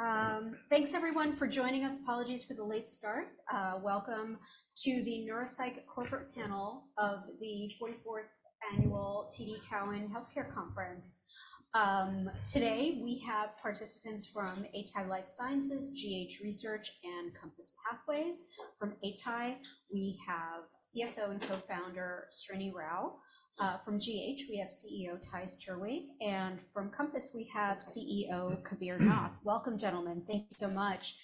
All right, thanks everyone for joining us. Apologies for the late start. Welcome to the Neuropsych Corporate Panel of the 44th Annual TD Cowen Healthcare Conference. Today we have participants from atai Life Sciences, GH Research, and COMPASS Pathways. From atai, we have CSO and co-founder Srinivas Rao. From GH, we have CEO Villy Valcheva. And from COMPASS, we have CEO Kabir Nath. Welcome, gentlemen. Thank you so much.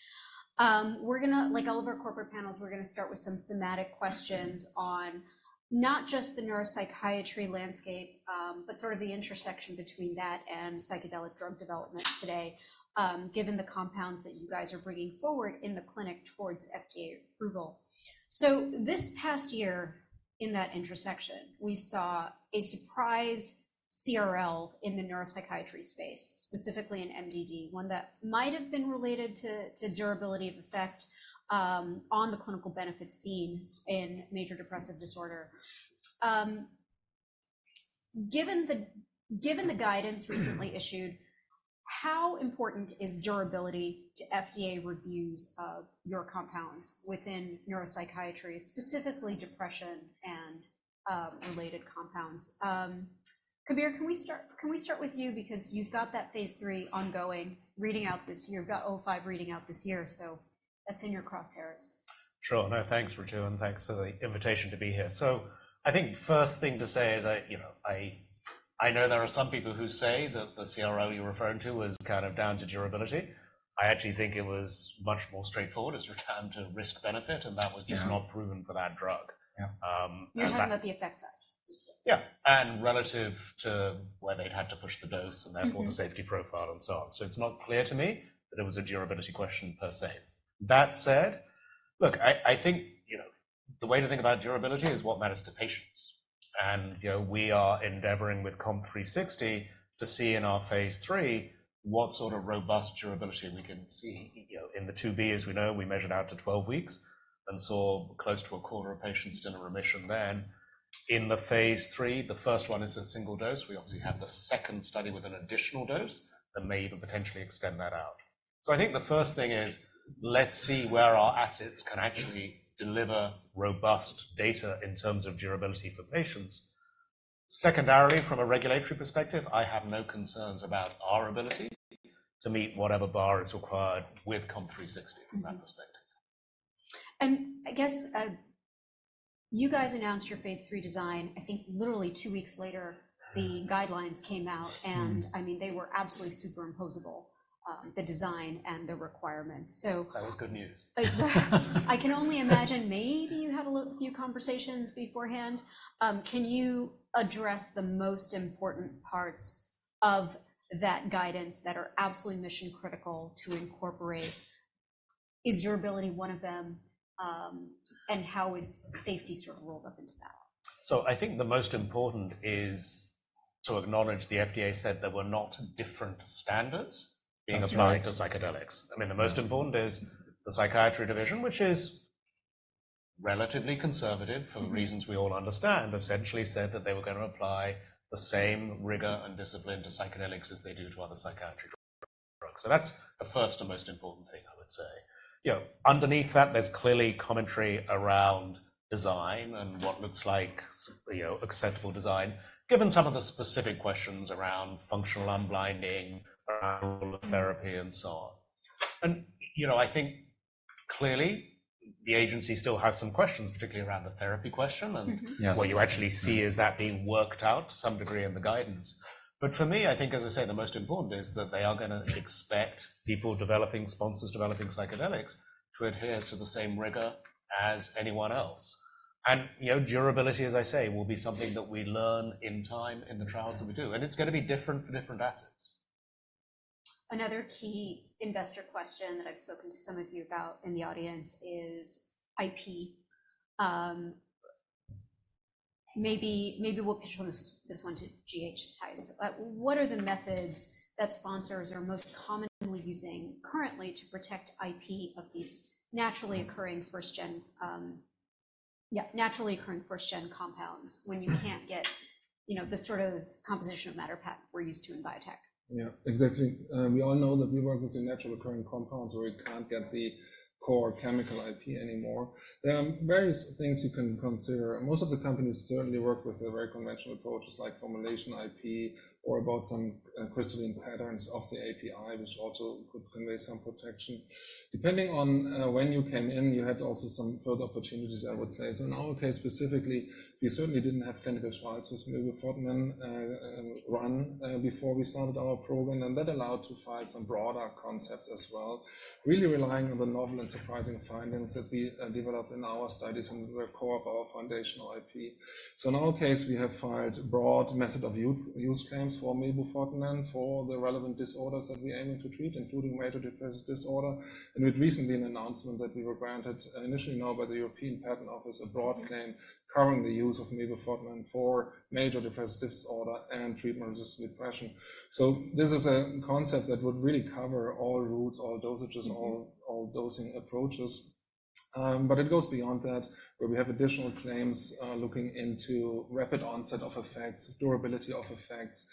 We're gonna, like all of our corporate panels, we're gonna start with some thematic questions on not just the neuropsychiatry landscape, but sort of the intersection between that and psychedelic drug development today, given the compounds that you guys are bringing forward in the clinic towards FDA approval. So this past year in that intersection, we saw a surprise CRL in the neuropsychiatry space, specifically in MDD, one that might have been related to durability of effect on the clinical benefit seen in major depressive disorder. Given the guidance recently issued, how important is durability to FDA reviews of your compounds within neuropsychiatry, specifically depression and related compounds? Kabir, can we start with you? Because you've got that phase 3 ongoing reading out this year. You've got 05 reading out this year, so that's in your crosshairs. Sure. No, thanks for the invitation to be here. So I think the first thing to say is, you know, I know there are some people who say that the CRL you're referring to was kind of down to durability. I actually think it was much more straightforward. It's returned to risk-benefit, and that was just not proven for that drug. Yeah. Yeah, you're talking about the effect size? Yeah. And relative to where they'd had to push the dose and therefore the safety profile and so on. So it's not clear to me that it was a durability question per se. That said, look, I, I think, you know, the way to think about durability is what matters to patients. And, you know, we are endeavoring with COMP360 to see in our phase 3 what sort of robust durability we can see. You know, in the 2B, as we know, we measured out to 12 weeks and saw close to a quarter of patients still in remission then. In the phase 3, the first one is a single dose. We obviously have the second study with an additional dose that may even potentially extend that out. I think the first thing is, let's see where our assets can actually deliver robust data in terms of durability for patients. Secondarily, from a regulatory perspective, I have no concerns about our ability to meet whatever bar is required with COMP360 from that perspective. I guess, you guys announced your phase 3 design. I think literally two weeks later, the guidelines came out, and I mean, they were absolutely superimposable, the design and the requirements. So. That was good news. I can only imagine maybe you had a little few conversations beforehand. Can you address the most important parts of that guidance that are absolutely mission-critical to incorporate? Is durability one of them, and how is safety sort of rolled up into that? So I think the most important is to acknowledge the FDA said there were not different standards being applied to psychedelics. I mean, the most important is the psychiatry division, which is relatively conservative for the reasons we all understand, essentially said that they were gonna apply the same rigor and discipline to psychedelics as they do to other psychiatry drugs. So that's the first and most important thing, I would say. You know, underneath that, there's clearly commentary around design and what looks like, you know, acceptable design, given some of the specific questions around functional unblinding, around the role of therapy, and so on. And, you know, I think clearly the agency still has some questions, particularly around the therapy question and what you actually see as that being worked out to some degree in the guidance. But for me, I think, as I say, the most important is that they are gonna expect people developing sponsors developing psychedelics to adhere to the same rigor as anyone else. And, you know, durability, as I say, will be something that we learn in time in the trials that we do. And it's gonna be different for different assets. Another key investor question that I've spoken to some of you about in the audience is IP. Maybe, maybe we'll pitch on this one to GH and Theis. What are the methods that sponsors are most commonly using currently to protect IP of these naturally occurring first-gen, yeah, naturally occurring first-gen compounds when you can't get, you know, the sort of composition of matter patent we're used to in biotech? Yeah, exactly. We all know that we work with some naturally occurring compounds where we can't get the core chemical IP anymore. There are various things you can consider. Most of the companies certainly work with a very conventional approach, just like formulation IP, or about some crystalline patterns of the API, which also could convey some protection. Depending on when you came in, you had also some further opportunities, I would say. So in our case specifically, we certainly didn't have clinical trials, so it's public domain and then run before we started our program. And that allowed to find some broader concepts as well, really relying on the novel and surprising findings that we developed in our studies and were core of our foundational IP. So in our case, we have filed broad method-of-use claims for mebufotenin and then for the relevant disorders that we're aiming to treat, including major depressive disorder. And we had recently an announcement that we were granted, initially now by the European Patent Office, a broad claim covering the use of mebufotenin and then for major depressive disorder and treatment-resistant depression. So this is a concept that would really cover all routes, all dosages, all, all dosing approaches. But it goes beyond that, where we have additional claims, looking into rapid onset of effects, durability of effects,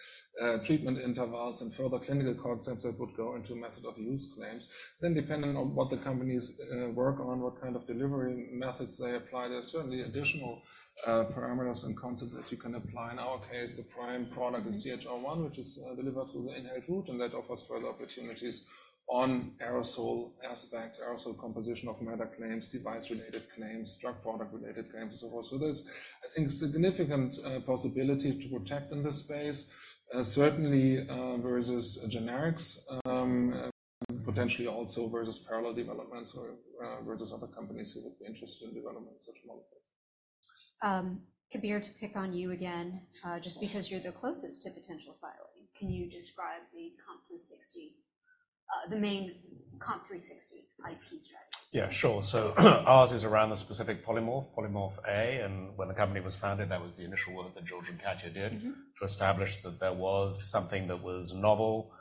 treatment intervals, and further clinical concepts that would go into method-of-use claims. Then depending on what the companies, work on, what kind of delivery methods they apply, there's certainly additional, parameters and concepts that you can apply. In our case, the prime product is GH001, which is delivered through the inhaled route, and that offers further opportunities on aerosol aspects, aerosol composition of matter claims, device-related claims, drug product-related claims, and so forth. So there's, I think, significant possibilities to protect in this space, certainly versus generics, and potentially also versus parallel developments or versus other companies who would be interested in developing such molecules. Kabir, to pick on you again, just because you're the closest to potential filing, can you describe the COMP360, the main COMP360 IP strategy? Yeah, sure. So ours is around the specific polymorph, polymorph A. And when the company was founded, that was the initial work that George and Katya did to establish that there was something that was novel.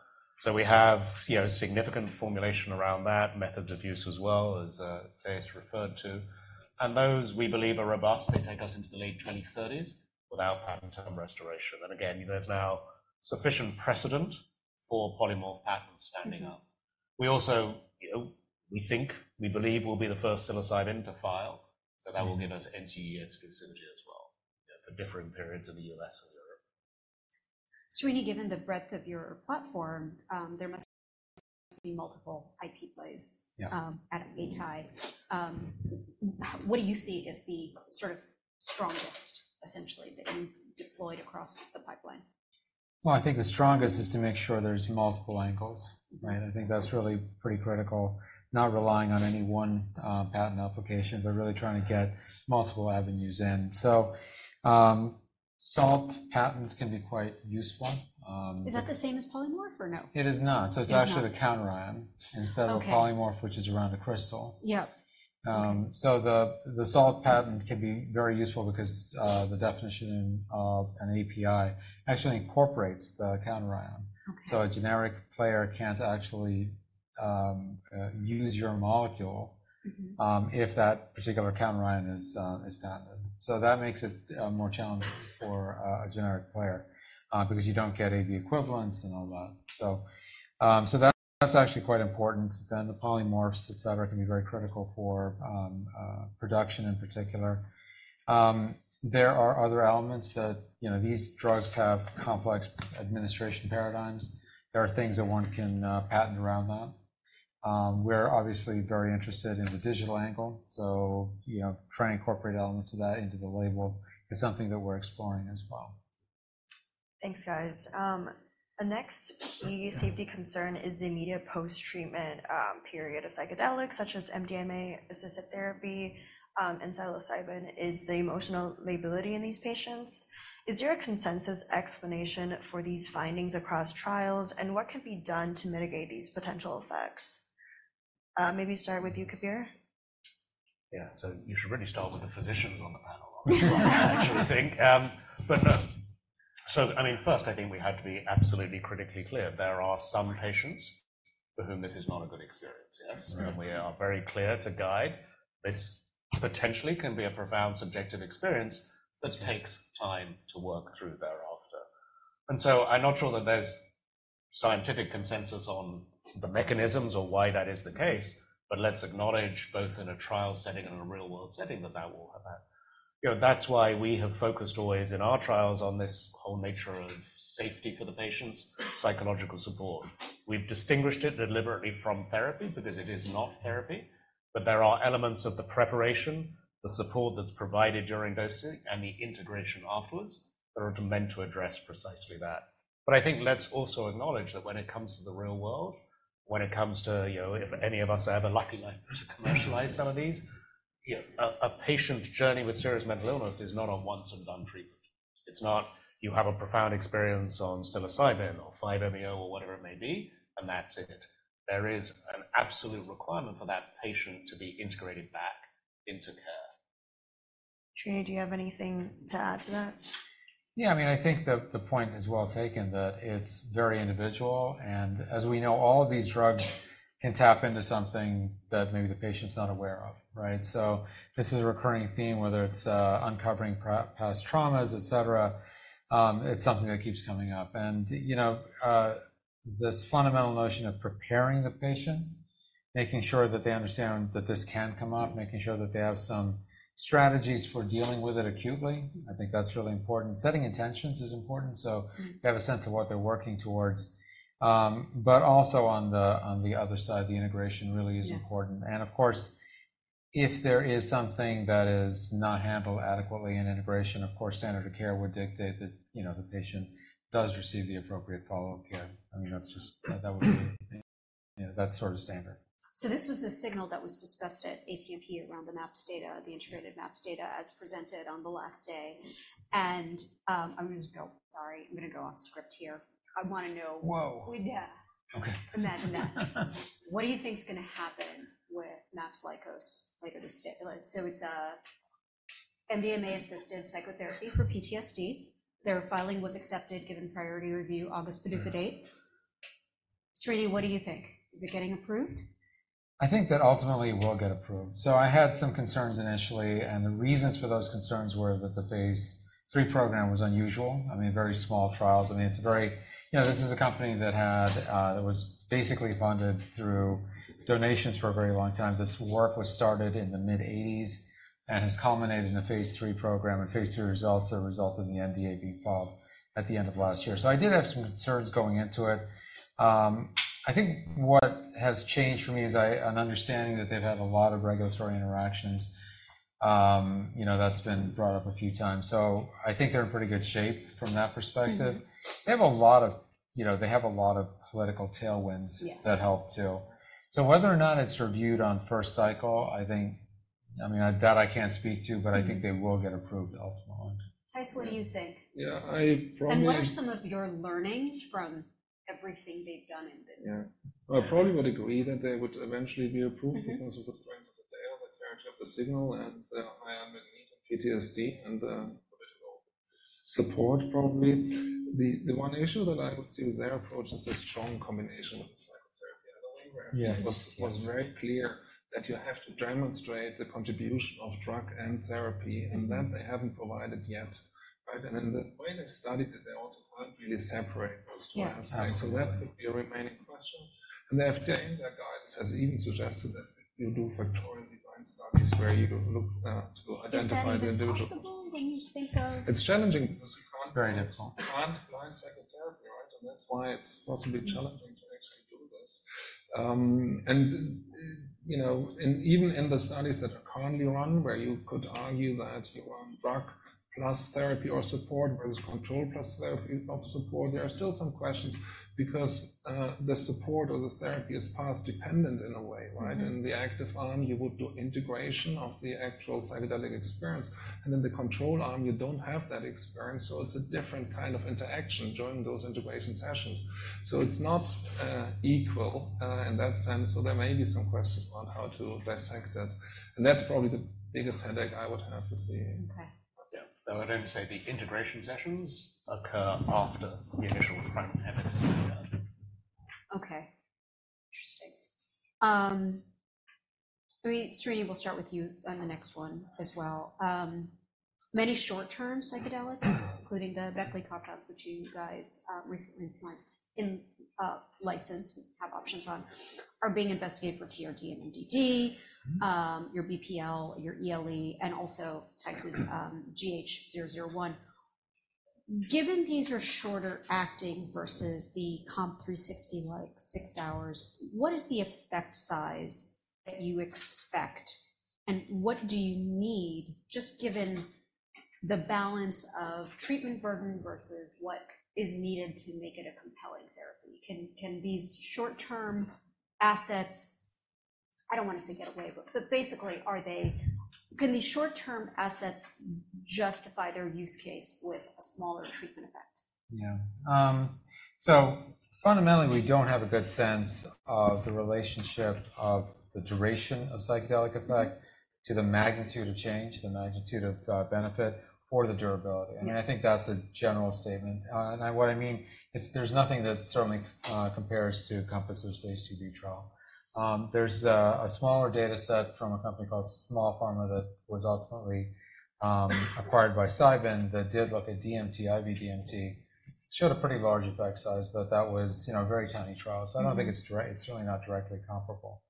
So we have, you know, significant formulation around that, methods of use as well, as Tyson referred to. And those we believe are robust. They take us into the late 2030s without patent term restoration. And again, you know, there's now sufficient precedent for polymorph patents standing up. We also, you know, we think we believe we'll be the first psilocybin to file, so that will give us NCE year to consider, too, as well, you know, for differing periods in the U.S. and Europe. Srinivas, given the breadth of your platform, there must be multiple IP plays at atai. What do you see as the sort of strongest, essentially, that you've deployed across the pipeline? Well, I think the strongest is to make sure there's multiple angles, right? I think that's really pretty critical, not relying on any one patent application, but really trying to get multiple avenues in. So, salt patents can be quite useful. Is that the same as polymorph, or no? It is not. So it's actually the counterion instead of polymorph, which is around a crystal. Yep. So the salt patent can be very useful because the definition of an API actually incorporates the counterion. So a generic player can't actually use your molecule if that particular counterion is patented. So that makes it more challenging for a generic player because you don't get AB equivalents and all that. So that's actually quite important. Then the polymorphs, etc., can be very critical for production in particular. There are other elements that you know these drugs have complex administration paradigms. There are things that one can patent around that. We're obviously very interested in the digital angle. So you know trying to incorporate elements of that into the label is something that we're exploring as well. Thanks, guys. A next key safety concern is the immediate post-treatment period of psychedelics, such as MDMA-assisted therapy, and psilocybin, is the emotional lability in these patients. Is there a consensus explanation for these findings across trials, and what can be done to mitigate these potential effects? Maybe start with you, Kabir. Yeah. So you should really start with the physicians on the panel, I actually think. But no. So, I mean, first, I think we had to be absolutely critically clear. There are some patients for whom this is not a good experience, yes, and we are very clear to guide. This potentially can be a profound subjective experience that takes time to work through thereafter. And so I'm not sure that there's scientific consensus on the mechanisms or why that is the case, but let's acknowledge, both in a trial setting and in a real-world setting, that that will have had you know, that's why we have focused always in our trials on this whole nature of safety for the patients, psychological support. We've distinguished it deliberately from therapy because it is not therapy, but there are elements of the preparation, the support that's provided during dosing, and the integration afterwards that are meant to address precisely that. But I think let's also acknowledge that when it comes to the real world, when it comes to, you know, if any of us ever lucky enough to commercialize some of these, you know, a patient's journey with serious mental illness is not a once-and-done treatment. It's not you have a profound experience on psilocybin or 5-MeO or whatever it may be, and that's it. There is an absolute requirement for that patient to be integrated back into care. Srini, do you have anything to add to that? Yeah. I mean, I think the point is well taken, that it's very individual. And as we know, all of these drugs can tap into something that maybe the patient's not aware of, right? So this is a recurring theme, whether it's uncovering past traumas, etc. It's something that keeps coming up. And, you know, this fundamental notion of preparing the patient, making sure that they understand that this can come up, making sure that they have some strategies for dealing with it acutely, I think that's really important. Setting intentions is important so they have a sense of what they're working towards. But also on the other side, the integration really is important. And of course, if there is something that is not handled adequately in integration, of course, standard of care would dictate that, you know, the patient does receive the appropriate follow-up care. I mean, that's just that would be, you know, that sort of standard. So this was a signal that was discussed at ACNP around the MAPS data, the integrated MAPS data, as presented on the last day. And, I'm gonna just go sorry. I'm gonna go off-script here. I wanna know. Whoa. We'd imagine that. What do you think's gonna happen with MAPS Lykos later this day? So it's a MDMA-assisted psychotherapy for PTSD. Their filing was accepted given priority review, August PDUFA date. Srini, what do you think? Is it getting approved? I think that ultimately it will get approved. So I had some concerns initially, and the reasons for those concerns were that the phase 3 program was unusual. I mean, very small trials. I mean, it's a very, you know, this is a company that had, that was basically funded through donations for a very long time. This work was started in the mid-1980s and has culminated in a phase 3 program. And phase 3 results have resulted in the NDA being filed at the end of last year. So I did have some concerns going into it. I think what has changed for me is an understanding that they've had a lot of regulatory interactions. You know, that's been brought up a few times. So I think they're in pretty good shape from that perspective. They have a lot of, you know, they have a lot of political tailwinds that help, too. So whether or not it's reviewed on first cycle, I think, I mean, that I can't speak to, but I think they will get approved ultimately. Tyson, what do you think? Yeah. I probably. What are some of your learnings from everything they've done in this? Yeah. I probably would agree that they would eventually be approved because of the strength of the data, the character of the signal, and the higher magnitude PTSD and the political support, probably. The one issue that I would see with their approach is a strong combination with the psychotherapy. Another one where it was very clear that you have to demonstrate the contribution of drug and therapy, and that they haven't provided yet, right? And in the way they studied it, they also can't really separate those two aspects. So that could be a remaining question. And they have changed their guidance, has even suggested that you do factorial design studies where you look to identify the individuals. Is that possible when you think of? It's challenging because you can't. It's very difficult. You can't blind psychotherapy, right? And that's why it's possibly challenging to actually do this. And, you know, even in the studies that are currently run, where you could argue that you run drug plus therapy or support versus control plus therapy or support, there are still some questions because the support or the therapy is past-dependent in a way, right? In the active arm, you would do integration of the actual psychedelic experience. And in the control arm, you don't have that experience. So it's a different kind of interaction during those integration sessions. So it's not equal in that sense. So there may be some questions about how to dissect it. And that's probably the biggest headache I would have with the. Okay. Yeah. No, I didn't say the integration sessions occur after the initial primary psychedelic. Okay. Interesting. I mean, Srini, we'll start with you on the next one as well. Many short-term psychedelics, including the Beckley Psytech, which you guys recently in slides in license have options on, are being investigated for TRD and MDD, your BPL, your ELE, and also GH's GH001. Given these are shorter-acting versus the COMP360, like six hours, what is the effect size that you expect, and what do you need just given the balance of treatment burden versus what is needed to make it a compelling therapy? Can, can these short-term assets I don't wanna say get away, but, but basically, are they can these short-term assets justify their use case with a smaller treatment effect? Yeah. So fundamentally, we don't have a good sense of the relationship of the duration of psychedelic effect to the magnitude of change, the magnitude of benefit, or the durability. I mean, I think that's a general statement. And what I mean, there's nothing that certainly compares to COMPASS' Phase 2B trial. There's a smaller dataset from a company called Small Pharma that was ultimately acquired by Cybin that did look at DMT, IV DMT, showed a pretty large effect size, but that was, you know, a very tiny trial. So I don't think it's direct; it's really not directly comparable.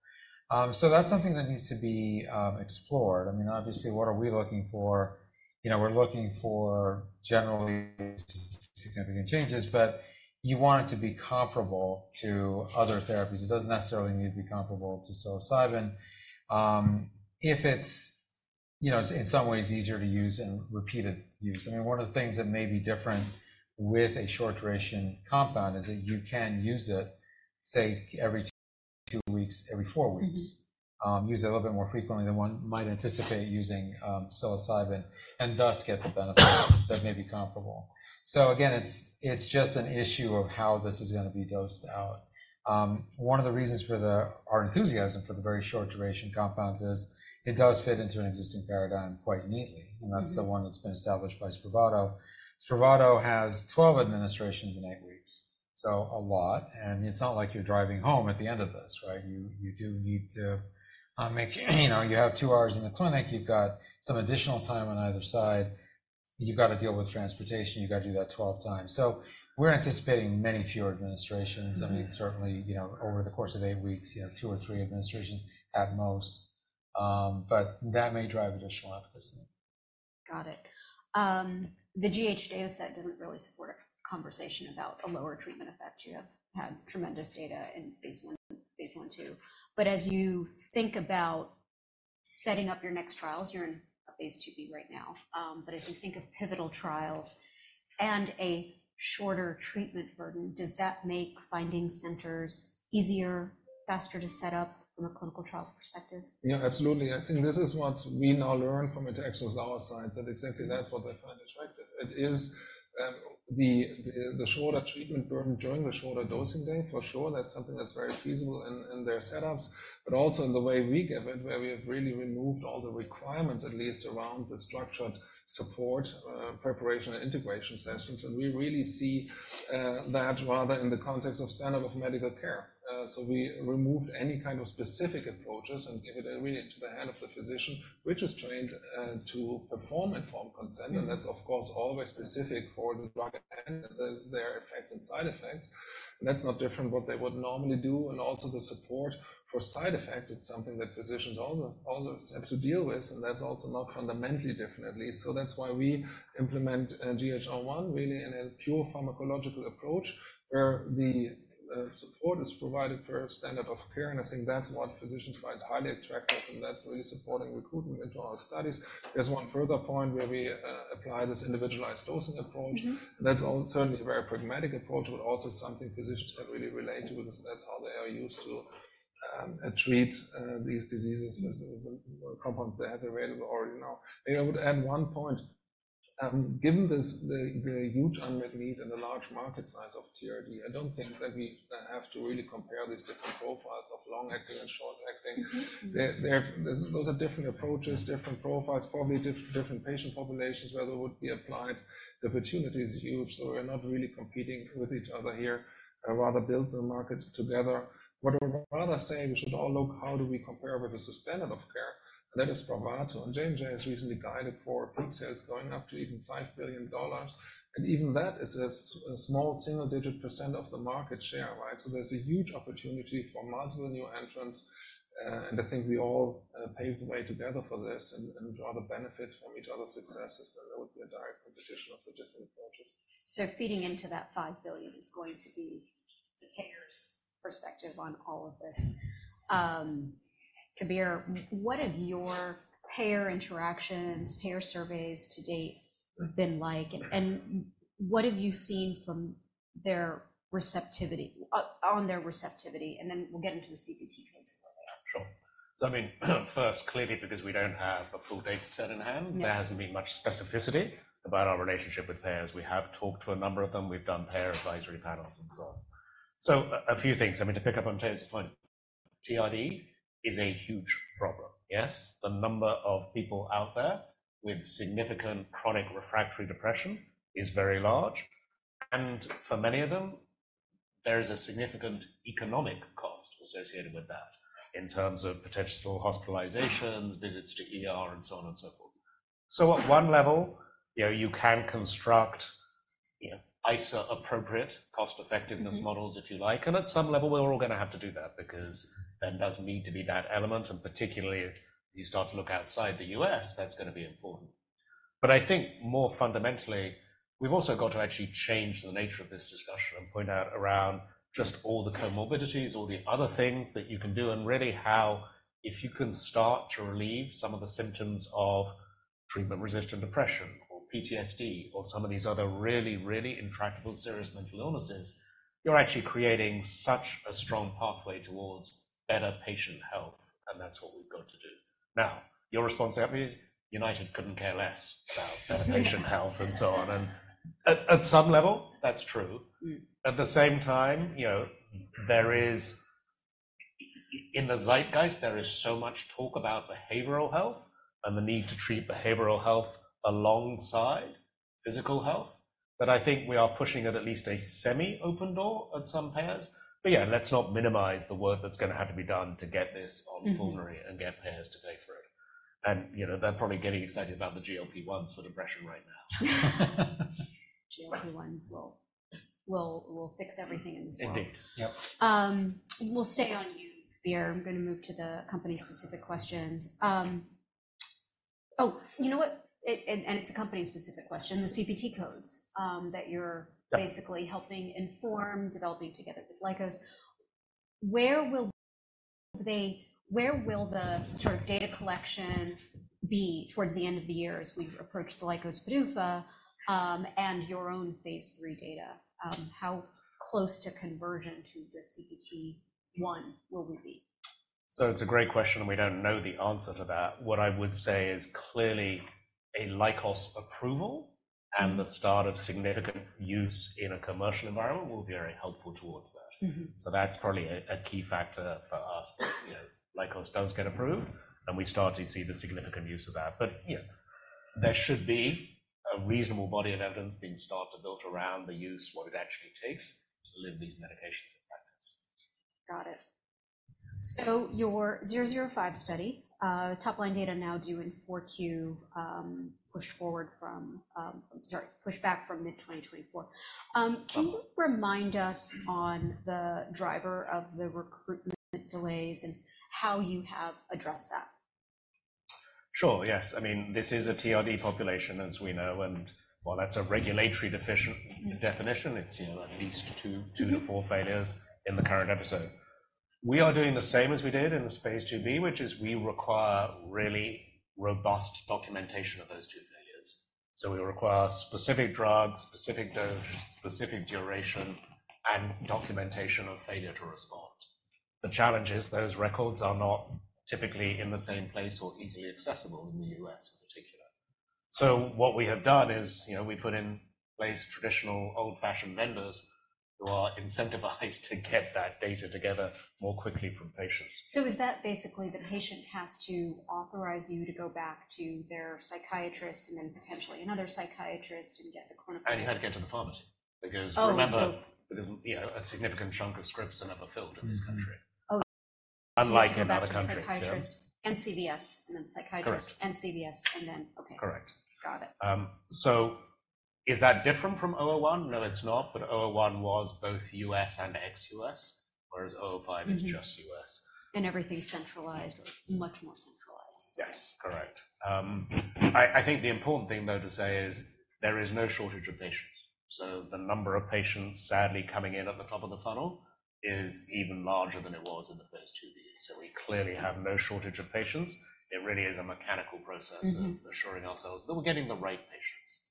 So that's something that needs to be explored. I mean, obviously, what are we looking for? You know, we're looking for generally significant changes, but you want it to be comparable to other therapies. It doesn't necessarily need to be comparable to psilocybin. If it's, you know, in some ways easier to use and repeated use. I mean, one of the things that may be different with a short-duration compound is that you can use it, say, every two weeks, every four weeks, use it a little bit more frequently than one might anticipate using psilocybin and thus get the benefits that may be comparable. So again, it's, it's just an issue of how this is gonna be dosed out. One of the reasons for our enthusiasm for the very short-duration compounds is it does fit into an existing paradigm quite neatly, and that's the one that's been established by Spravato. Spravato has 12 administrations in 8 weeks, so a lot. And it's not like you're driving home at the end of this, right? You, you do need to, make, you know, you have 2 hours in the clinic. You've got some additional time on either side. You've gotta deal with transportation. You've gotta do that 12 times. So we're anticipating many fewer administrations. I mean, certainly, you know, over the course of 8 weeks, you have 2 or 3 administrations at most. But that may drive additional efficacy. Got it. The GH dataset doesn't really support a conversation about a lower treatment effect. You have had tremendous data in phase 1 and phase 1, 2. But as you think about setting up your next trials (you're in a phase 2B right now) but as you think of pivotal trials and a shorter treatment burden, does that make finding centers easier, faster to set up from a clinical trial's perspective? Yeah. Absolutely. I think this is what we now learn from it, actually, with our side, that exactly that's what they find attractive. It is the shorter treatment burden during the shorter dosing day, for sure. That's something that's very feasible in their setups. But also in the way we give it, where we have really removed all the requirements, at least around the structured support, preparation and integration sessions. And we really see that rather in the context of standard of medical care. So we removed any kind of specific approaches and gave it really into the hand of the physician, which is trained to perform informed consent. And that's, of course, always specific for the drug and their effects and side effects. And that's not different what they would normally do. Also the support for side effects, it's something that physicians also have to deal with. That's also not fundamentally different, at least. So that's why we implement GH001 really in a pure pharmacological approach where the support is provided per standard of care. And I think that's what physicians find highly attractive, and that's really supporting recruitment into our studies. There's one further point where we apply this individualized dosing approach. And that's also certainly a very pragmatic approach, but also something physicians can really relate to because that's how they are used to treat these diseases with the compounds they have available already now. Maybe I would add one point. Given this, the huge unmet need and the large market size of TRD, I don't think that we have to really compare these different profiles of long-acting and short-acting. Those are different approaches, different profiles, probably different patient populations where they would be applied. The opportunity is huge, so we're not really competing with each other here. I'd rather build the market together. What I would rather say, we should all look how do we compare with the standard of care. That is Spravato. J&J has recently guided for peak sales going up to even $5 billion. Even that is a small single-digit % of the market share, right? So there's a huge opportunity for multiple new entrants. And I think we all pave the way together for this and rather benefit from each other's successes. There would be a direct competition of the different approaches. So feeding into that $5 billion is going to be the payer's perspective on all of this. Kabir, what have your payer interactions, payer surveys to date been like? And what have you seen from their receptivity on their receptivity? And then we'll get into the CPT committee more later. Sure. So, I mean, first, clearly, because we don't have a full dataset in hand, there hasn't been much specificity about our relationship with payers. We have talked to a number of them. We've done payer advisory panels and so on. So a few things. I mean, to pick up on Tyson's point, TRD is a huge problem, yes? The number of people out there with significant chronic refractory depression is very large. And for many of them, there is a significant economic cost associated with that in terms of potential hospitalizations, visits to and so on and so forth. So at one level, you know, you can construct, you know, ISA-appropriate cost-effectiveness models, if you like. And at some level, we're all gonna have to do that because there does need to be that element. And particularly as you start to look outside the U.S., that's gonna be important. But I think more fundamentally, we've also got to actually change the nature of this discussion and point out around just all the comorbidities, all the other things that you can do, and really how if you can start to relieve some of the symptoms of treatment-resistant depression or PTSD or some of these other really, really intractable serious mental illnesses, you're actually creating such a strong pathway towards better patient health. And that's what we've got to do. Now, your response to that is United couldn't care less about better patient health and so on. And at some level, that's true. At the same time, you know, there is in the zeitgeist, there is so much talk about behavioral health and the need to treat behavioral health alongside physical health that I think we are pushing at least a semi-open door at some payers. But yeah, let's not minimize the work that's gonna have to be done to get this on formulary and get payers to pay for it. And, you know, they're probably getting excited about the GLP-1s for depression right now. GLP-1s will fix everything in this world. Indeed. Yep. We'll stay on you, Kabir. I'm gonna move to the company-specific questions. Oh, you know what? It's a company-specific question, the CPT codes, that you're basically helping inform, developing together with Lykos. Where will the sort of data collection be towards the end of the year as we approach the Lykos PDUFA, and your own phase 3 data? How close to conversion to the CPT-1 will we be? So it's a great question, and we don't know the answer to that. What I would say is clearly a Lykos approval and the start of significant use in a commercial environment will be very helpful towards that. So that's probably a key factor for us that, you know, Lykos does get approved, and we start to see the significant use of that. But yeah, there should be a reasonable body of evidence being started to build around the use, what it actually takes to live these medications in practice. Got it. So your 005 study, top-line data now due in 4Q, pushed forward from, sorry, pushed back from mid-2024. Can you remind us on the driver of the recruitment delays and how you have addressed that? Sure. Yes. I mean, this is a TRD population, as we know. While that's a regulatory deficient definition, it's, you know, at least two, 2-4 failures in the current episode. We are doing the same as we did in this phase 2B, which is we require really robust documentation of those two failures. We require specific drugs, specific dose, specific duration, and documentation of failure to respond. The challenge is those records are not typically in the same place or easily accessible in the U.S. in particular. What we have done is, you know, we put in place traditional old-fashioned vendors who are incentivized to get that data together more quickly from patients. Is that basically the patient has to authorize you to go back to their psychiatrist and then potentially another psychiatrist and get the clinical? You had to get to the pharmacy because remember. Oh, so. Because, you know, a significant chunk of scripts are never filled in this country. Oh. Unlike in other countries, yes. So psychiatrist CVS, and then psychiatrist. Correct. CVS, and then okay. Correct. Got it. So is that different from 001? No, it's not. But 001 was both U.S. and ex-U.S., whereas 005 is just U.S. Everything's centralized or much more centralized. Yes. Correct. I, I think the important thing, though, to say is there is no shortage of patients. So the number of patients, sadly, coming in at the top of the funnel is even larger than it was in the phase 2B. So we clearly have no shortage of patients. It really is a mechanical process of assuring ourselves that we're getting the right patients.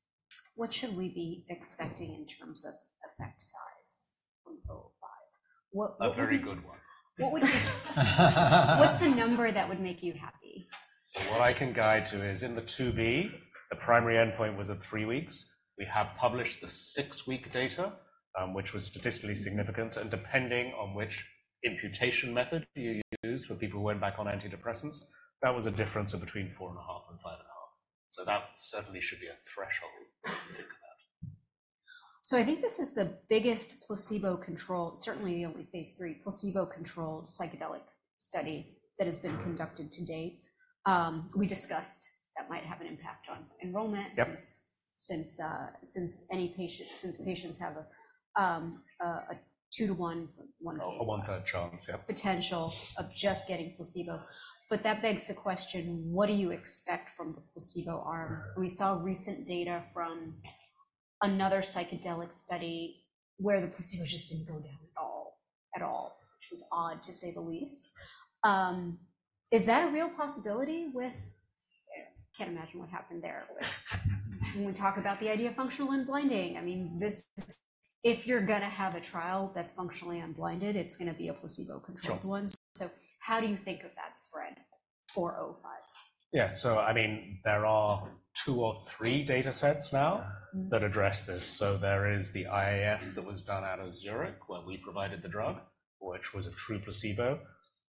What should we be expecting in terms of effect size from 005? What, what? A very good one. What would you? What's a number that would make you happy? What I can guide to is in the 2b, the primary endpoint was at three weeks. We have published the six-week data, which was statistically significant. Depending on which imputation method you used for people who went back on antidepressants, that was a difference of between 4.5 and 5.5. That certainly should be a threshold to think about. I think this is the biggest placebo-controlled, certainly the only Phase 3 placebo-controlled psychedelic study that has been conducted to date. We discussed that might have an impact on enrollment since patients have a 2-to-1 one case. A 1/3 chance, yep. Potential of just getting placebo. But that begs the question, what do you expect from the placebo arm? We saw recent data from another psychedelic study where the placebo just didn't go down at all, at all, which was odd, to say the least. Is that a real possibility with? I can't imagine what happened there with when we talk about the idea of Functional Unblinding. I mean, this is if you're gonna have a trial that's functionally unblinded, it's gonna be a placebo-controlled one. So how do you think of that spread for 005? Yeah. So, I mean, there are two or three datasets now that address this. So there is the IIS that was done out of Zurich where we provided the drug, which was a true placebo.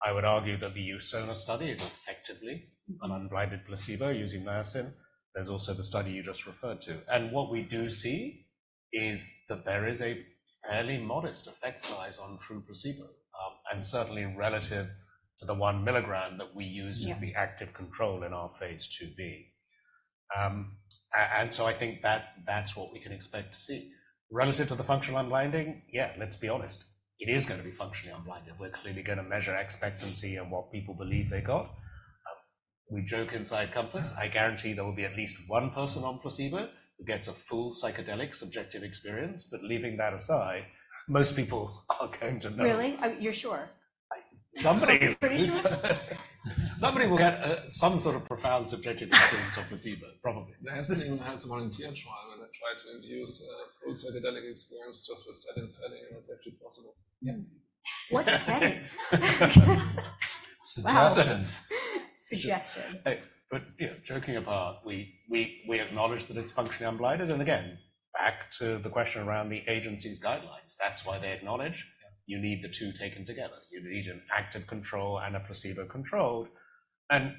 I would argue that the Usona study is effectively an unblinded placebo using niacin. There's also the study you just referred to. And what we do see is that there is a fairly modest effect size on true placebo, and certainly relative to the one milligram that we used as the active control in our phase 2b. And so I think that, that's what we can expect to see. Relative to the functional unblinding, yeah, let's be honest. It is gonna be functionally unblinded. We're clearly gonna measure expectancy and what people believe they got. We joke inside Compass. I guarantee there will be at least one person on placebo who gets a full psychedelic subjective experience. But leaving that aside, most people are going to know. Really? You're sure? Somebody who's. Pretty sure? Somebody will get some sort of profound subjective experience on placebo, probably. There has been someone in GH001 where they tried to induce full psychedelic experience just with set and setting, and it's actually possible. Yeah. What setting? Suggestion. Wow. Suggestion. Hey, but yeah, joking apart, we acknowledge that it's functionally unblinded. And again, back to the question around the agency's guidelines. That's why they acknowledge you need the two taken together. You need an active control and a placebo-controlled. And,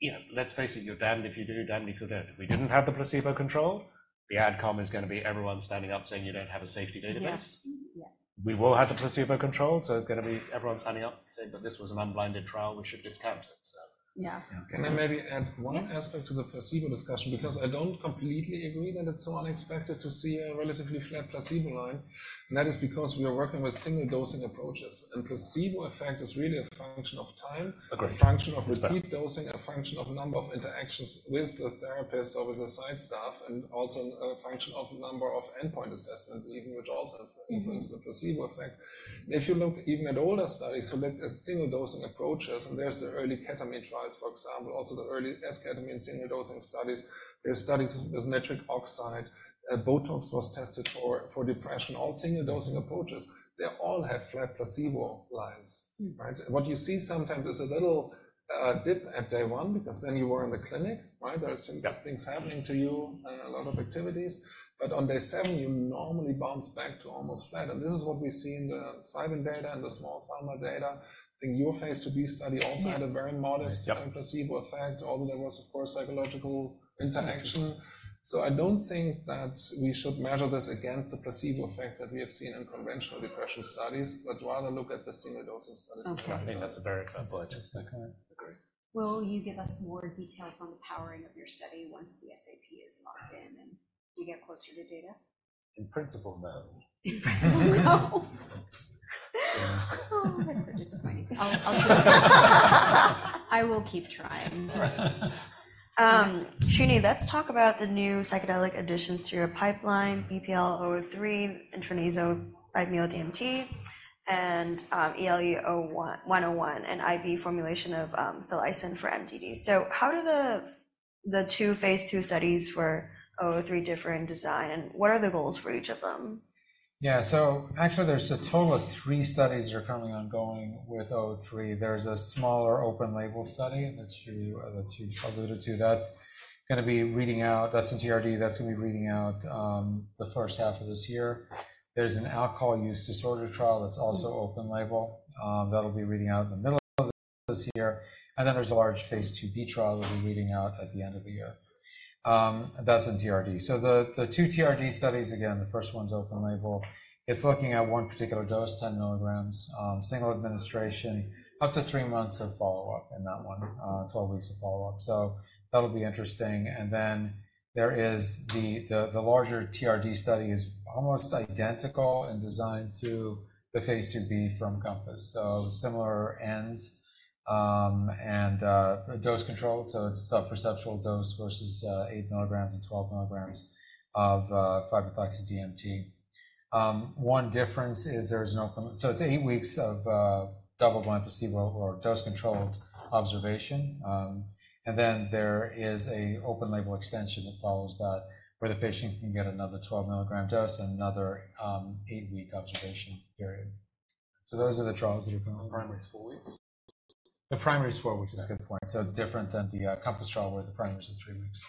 you know, let's face it. You're damned if you do. Damned if you're dead. If we didn't have the placebo-controlled, the Adcom is gonna be everyone standing up saying you don't have a safety database. Yes. Yeah. We will have the placebo-controlled, so it's gonna be everyone standing up saying, "But this was an unblinded trial. We should discount it," so. Yeah. Okay. Can I maybe add one aspect to the placebo discussion? Because I don't completely agree that it's so unexpected to see a relatively flat placebo line. And that is because we are working with single-dosing approaches. And placebo effect is really a function of time. Agreed. A function of repeat dosing, a function of number of interactions with the therapist or with the site staff, and also a function of number of endpoint assessments even, which also influence the placebo effect. If you look even at older studies, so look at single-dosing approaches, and there's the early ketamine trials, for example, also the early esketamine single-dosing studies. There are studies with nitrous oxide. Botox was tested for depression. All single-dosing approaches, they all have flat placebo lines, right? What you see sometimes is a little dip at day 1 because then you were in the clinic, right? There are certain things happening to you, a lot of activities. On day 7, you normally bounce back to almost flat. This is what we see in the psilocybin data and the Small Pharma data. I think your phase 2b study also had a very modest placebo effect, although there was, of course, psychological interaction. I don't think that we should measure this against the placebo effects that we have seen in conventional depression studies, but rather look at the single-dosing studies in the clinic. That's something that's a very tough bullet to expect, right? Agree. Will you give us more details on the powering of your study once the SAP is locked in and we get closer to data? In principle, no. In principle, no? Oh, that's so disappointing. I'll, I'll keep trying. I will keep trying. Right. Shuni, let's talk about the new psychedelic additions to your pipeline, BPL-003, intranasal 5-MeO-DMT, and ELE-101, and IV formulation of psilocin for MDD. So how do the two phase 2 studies for 003 differ in design? And what are the goals for each of them? Yeah. So actually, there's a total of three studies that are currently ongoing with 003. There's a smaller open-label study that you, that you alluded to that's gonna be reading out that's in TRD. That's gonna be reading out, the first half of this year. There's an alcohol use disorder trial that's also open-label. That'll be reading out in the middle of this year. And then there's a large phase 2b trial that'll be reading out at the end of the year. That's in TRD. So the, the two TRD studies, again, the first one's open-label. It's looking at one particular dose, 10 milligrams, single administration, up to three months of follow-up in that one, 12 weeks of follow-up. So that'll be interesting. And then there is the, the, the larger TRD study is almost identical in design to the phase 2b from Compass, so similar ends, and, dose-controlled. So it's subperceptual dose versus 8 milligrams and 12 milligrams of 5-MeO-DMT. One difference is there's an open, so it's eight weeks of double-blind placebo- or dose-controlled observation. And then there is an open-label extension that follows that where the patient can get another 12 milligram dose and another eight-week observation period. So those are the trials that are currently. The primary's four weeks? The primary's four weeks. That's a good point. So different than the COMPASS trial where the primary's at three weeks.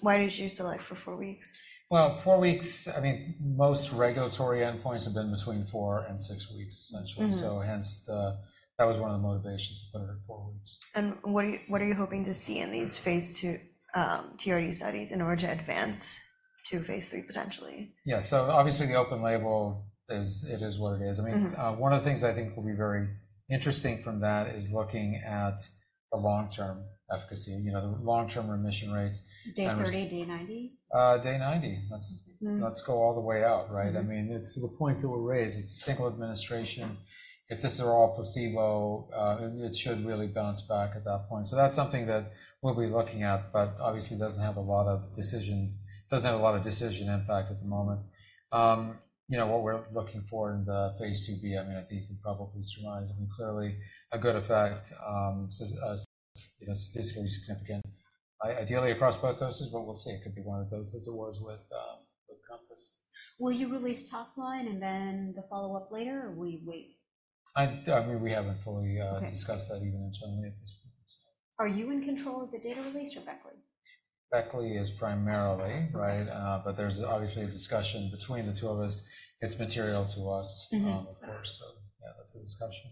Why did you select for four weeks? Well, 4 weeks, I mean, most regulatory endpoints have been between 4 and 6 weeks, essentially. So hence, that was one of the motivations to put it at 4 weeks. What are you hoping to see in these phase 2, TRD studies in order to advance to phase 3 potentially? Yeah. So obviously, the open-label is it is what it is. I mean, one of the things I think will be very interesting from that is looking at the long-term efficacy, you know, the long-term remission rates. Day 30, day 90? Day 90. Let's go all the way out, right? I mean, it's to the point that we'll raise. It's a single administration. If this is all placebo, it should really bounce back at that point. So that's something that we'll be looking at, but obviously, it doesn't have a lot of decision impact at the moment. You know, what we're looking for in the phase 2b, I mean, I think you can probably surmise. I mean, clearly, a good effect, says a, you know, statistically significant, ideally across both doses, but we'll see. It could be one of the doses it was with COMPASS. Will you release top-line and then the follow-up later, or will you wait? I mean, we haven't fully discussed that even internally at this point, so. Are you in control of the data release, or Beckley? Beckley is primarily, right? But there's obviously a discussion between the two of us. It's material to us, of course. So yeah, that's a discussion.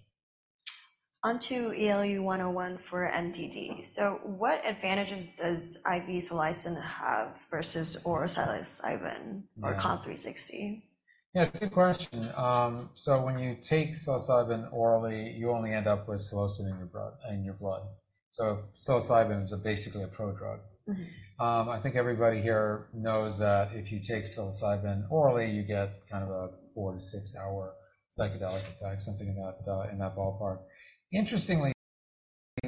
Onto ELE-101 for MDD. So what advantages does IV psilocin have versus oral psilocybin or COMP360? Yeah. Good question. So when you take Psilocybin orally, you only end up with Psilocybin in your blood in your blood. So Psilocybin is basically a pro-drug. I think everybody here knows that if you take Psilocybin orally, you get kind of a 4-6-hour psychedelic effect, something in that, in that ballpark. Interestingly,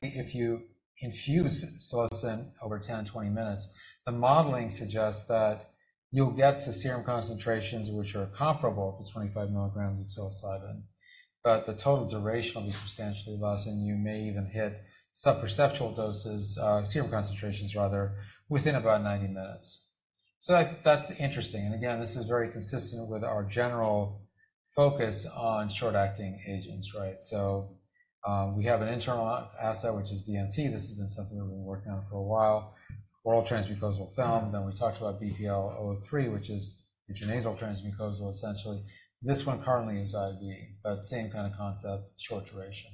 if you infuse Psilocybin over 10-20 minutes, the modeling suggests that you'll get to serum concentrations which are comparable to 25 milligrams of Psilocybin. But the total duration will be substantially less, and you may even hit subperceptual doses, serum concentrations, rather, within about 90 minutes. So that, that's interesting. And again, this is very consistent with our general focus on short-acting agents, right? So, we have an internal asset, which is DMT. This has been something that we've been working on for a while, oral transmucosal film. Then we talked about BPL-003, which is intranasal transmucosal, essentially. This one currently is IV, but same kind of concept, short duration.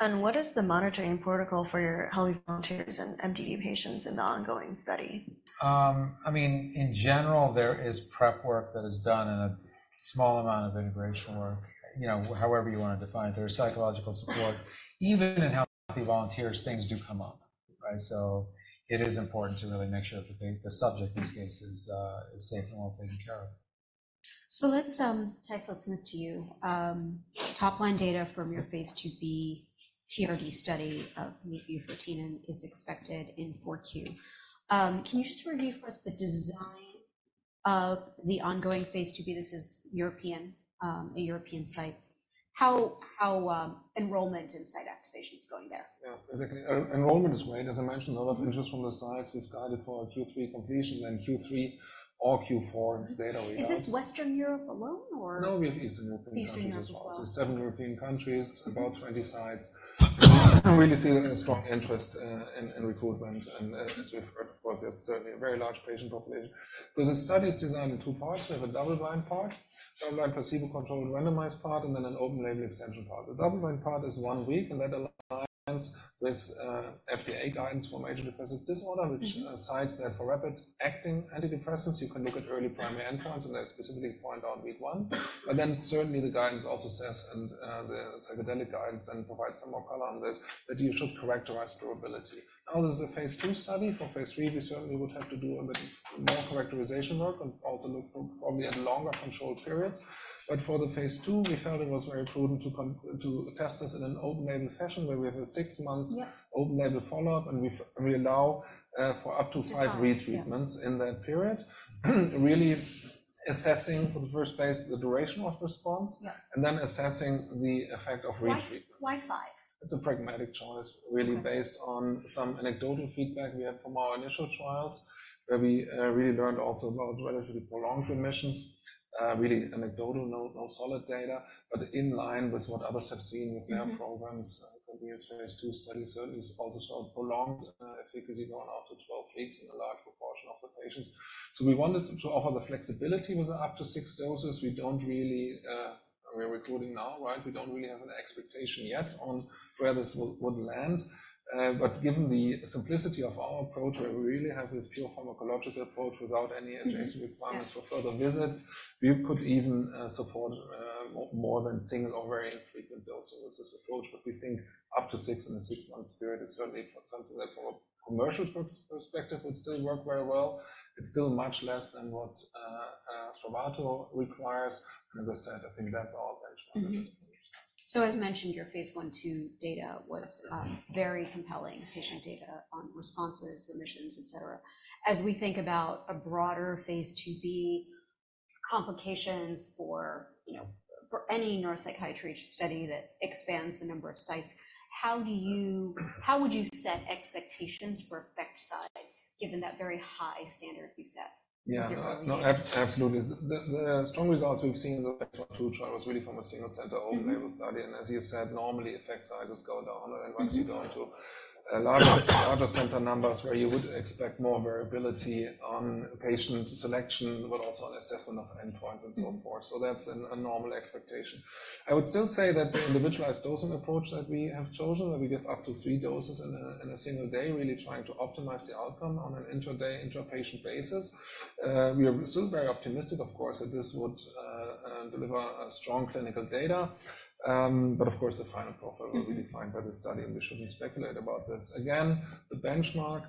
What is the monitoring protocol for your healthy volunteers and MDD patients in the ongoing study? I mean, in general, there is prep work that is done and a small amount of integration work, you know, however you wanna define it. There's psychological support, even in healthy volunteers, things do come up, right? So it is important to really make sure that the subject in these cases is safe and well taken care of. So let's, Tyson, let's move to you. Top-line data from your phase 2b TRD study of COMP360 is expected in 4Q. Can you just review for us the design of the ongoing phase 2b? This is European, a European site. How enrollment and site activation is going there? Yeah. Enrollment is great. As I mentioned, a lot of interest from the sites. We've guided for Q3 completion, then Q3 or Q4 data we have. Is this Western Europe alone, or? No, we have Eastern Europe countries. Eastern Europe as well. It's 7 European countries, about 20 sites. We really see a strong interest in recruitment. As we've heard, of course, there's certainly a very large patient population. The study is designed in two parts. We have a double-blind part, double-blind placebo-controlled randomized part, and then an open-label extension part. The double-blind part is 1 week, and that aligns with FDA guidance for major depressive disorder, which cites that for rapid-acting antidepressants, you can look at early primary endpoints, and they specifically point out week 1. But then certainly, the guidance also says, and the psychedelic guidance then provides some more color on this, that you should characterize durability. Now, this is a phase 2 study. For phase 3, we certainly would have to do a bit more characterization work and also look for probably at longer controlled periods. But for the phase 2, we felt it was very prudent to test this in an open-label fashion where we have a six-month open-label follow-up, and we allow for up to five retreatments in that period, really assessing for the first phase the duration of response and then assessing the effect of retreatment. Why, why five? It's a pragmatic choice, really, based on some anecdotal feedback we had from our initial trials where we really learned also about relatively prolonged remissions, really anecdotal, no, no solid data, but in line with what others have seen with their programs. Our continuous phase 2 study certainly also showed prolonged efficacy going out to 12 weeks in a large proportion of the patients. So we wanted to offer the flexibility with up to six doses. We don't really, we're recruiting now, right? We don't really have an expectation yet on where this would, would land. But given the simplicity of our approach, where we really have this pure pharmacological approach without any adjacent requirements for further visits, we could even support more than single or very infrequent doses with this approach. We think up to six in a six-month period is certainly something that, from a commercial perspective, would still work very well. It's still much less than what Spravato requires. As I said, I think that's our benchmark at this point. So as mentioned, your phase 1, 2 data was very compelling, patient data on responses, remissions, etc. As we think about a broader phase 2b implications for, you know, for any neuropsychiatry study that expands the number of sites, how would you set expectations for effect size, given that very high standard you set with your early? Yeah. No, absolutely. The strong results we've seen in the Phase 1, 2 trial was really from a single-center, open-label study. And as you said, normally, effect sizes go down. And then once you go into larger center numbers where you would expect more variability on patient selection, but also an assessment of endpoints and so forth. So that's a normal expectation. I would still say that the individualized dosing approach that we have chosen, that we give up to three doses in a single day, really trying to optimize the outcome on an intraday, intrapatient basis. We are still very optimistic, of course, that this would deliver strong clinical data. But of course, the final profile will be defined by the study, and we shouldn't speculate about this. Again, the benchmark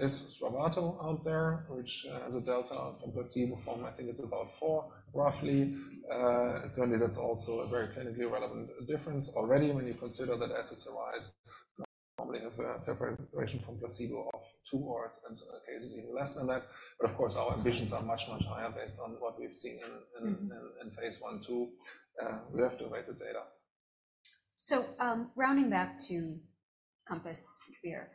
is Spravato out there, which, as a delta from placebo form, I think it's about 4, roughly. Certainly, that's also a very clinically relevant difference already when you consider that SSRIs normally have a separate duration from placebo of 2 points and cases even less than that. But of course, our ambitions are much, much higher based on what we've seen in phase 1, 2. We have to await the data. So, rounding back to Compass, Kabir,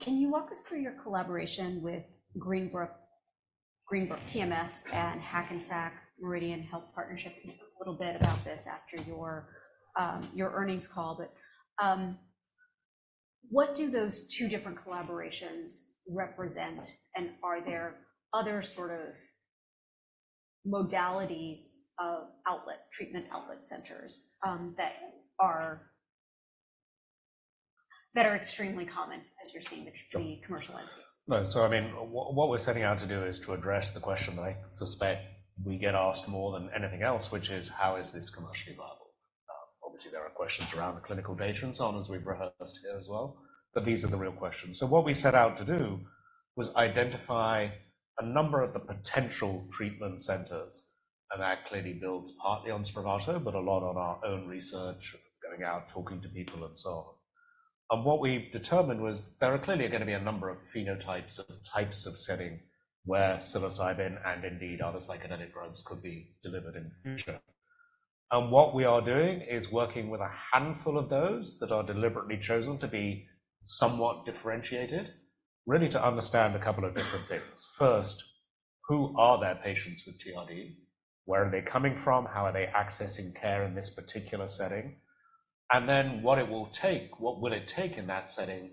can you walk us through your collaboration with Greenbrook, Greenbrook TMS, and Hackensack Meridian Health partnerships? We spoke a little bit about this after your earnings call. But, what do those two different collaborations represent? And are there other sort of modalities of outlet, treatment outlet centers, that are extremely common, as you're seeing the commercial landscape? Right. So I mean, what, what we're setting out to do is to address the question that I suspect we get asked more than anything else, which is, how is this commercially viable? Obviously, there are questions around the clinical data and so on as we've rehearsed here as well. But these are the real questions. So what we set out to do was identify a number of the potential treatment centers. And that clearly builds partly on Spravato, but a lot on our own research, going out, talking to people, and so on. And what we determined was there are clearly gonna be a number of phenotypes of types of setting where psilocybin and indeed other psychedelic drugs could be delivered in the future. What we are doing is working with a handful of those that are deliberately chosen to be somewhat differentiated, really to understand a couple of different things. First, who are their patients with TRD? Where are they coming from? How are they accessing care in this particular setting? And then what it will take what will it take in that setting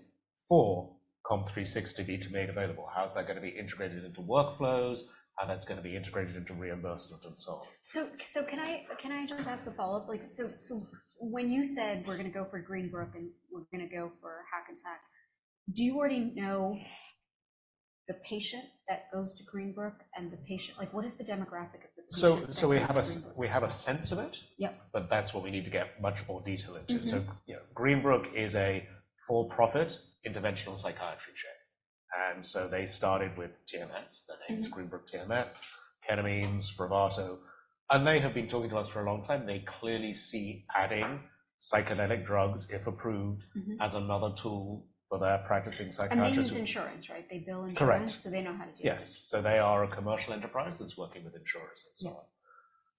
for COMP360 to be made available? How is that gonna be integrated into workflows? How that's gonna be integrated into reimbursement and so on? So, can I just ask a follow-up? Like, so when you said we're gonna go for Greenbrook and we're gonna go for Hackensack, do you already know the patient that goes to Greenbrook and the patient like, what is the demographic of the patient? So we have a sense of it, but that's what we need to get much more detail into. So, you know, Greenbrook is a for-profit interventional psychiatry chain. And so they started with TMS. Their name is Greenbrook TMS, ketamine, Spravato. And they have been talking to us for a long time. They clearly see adding psychedelic drugs, if approved, as another tool for their practicing psychiatrists. They use insurance, right? They bill insurance, so they know how to do it. Correct. Yes. So they are a commercial enterprise that's working with insurance and so on.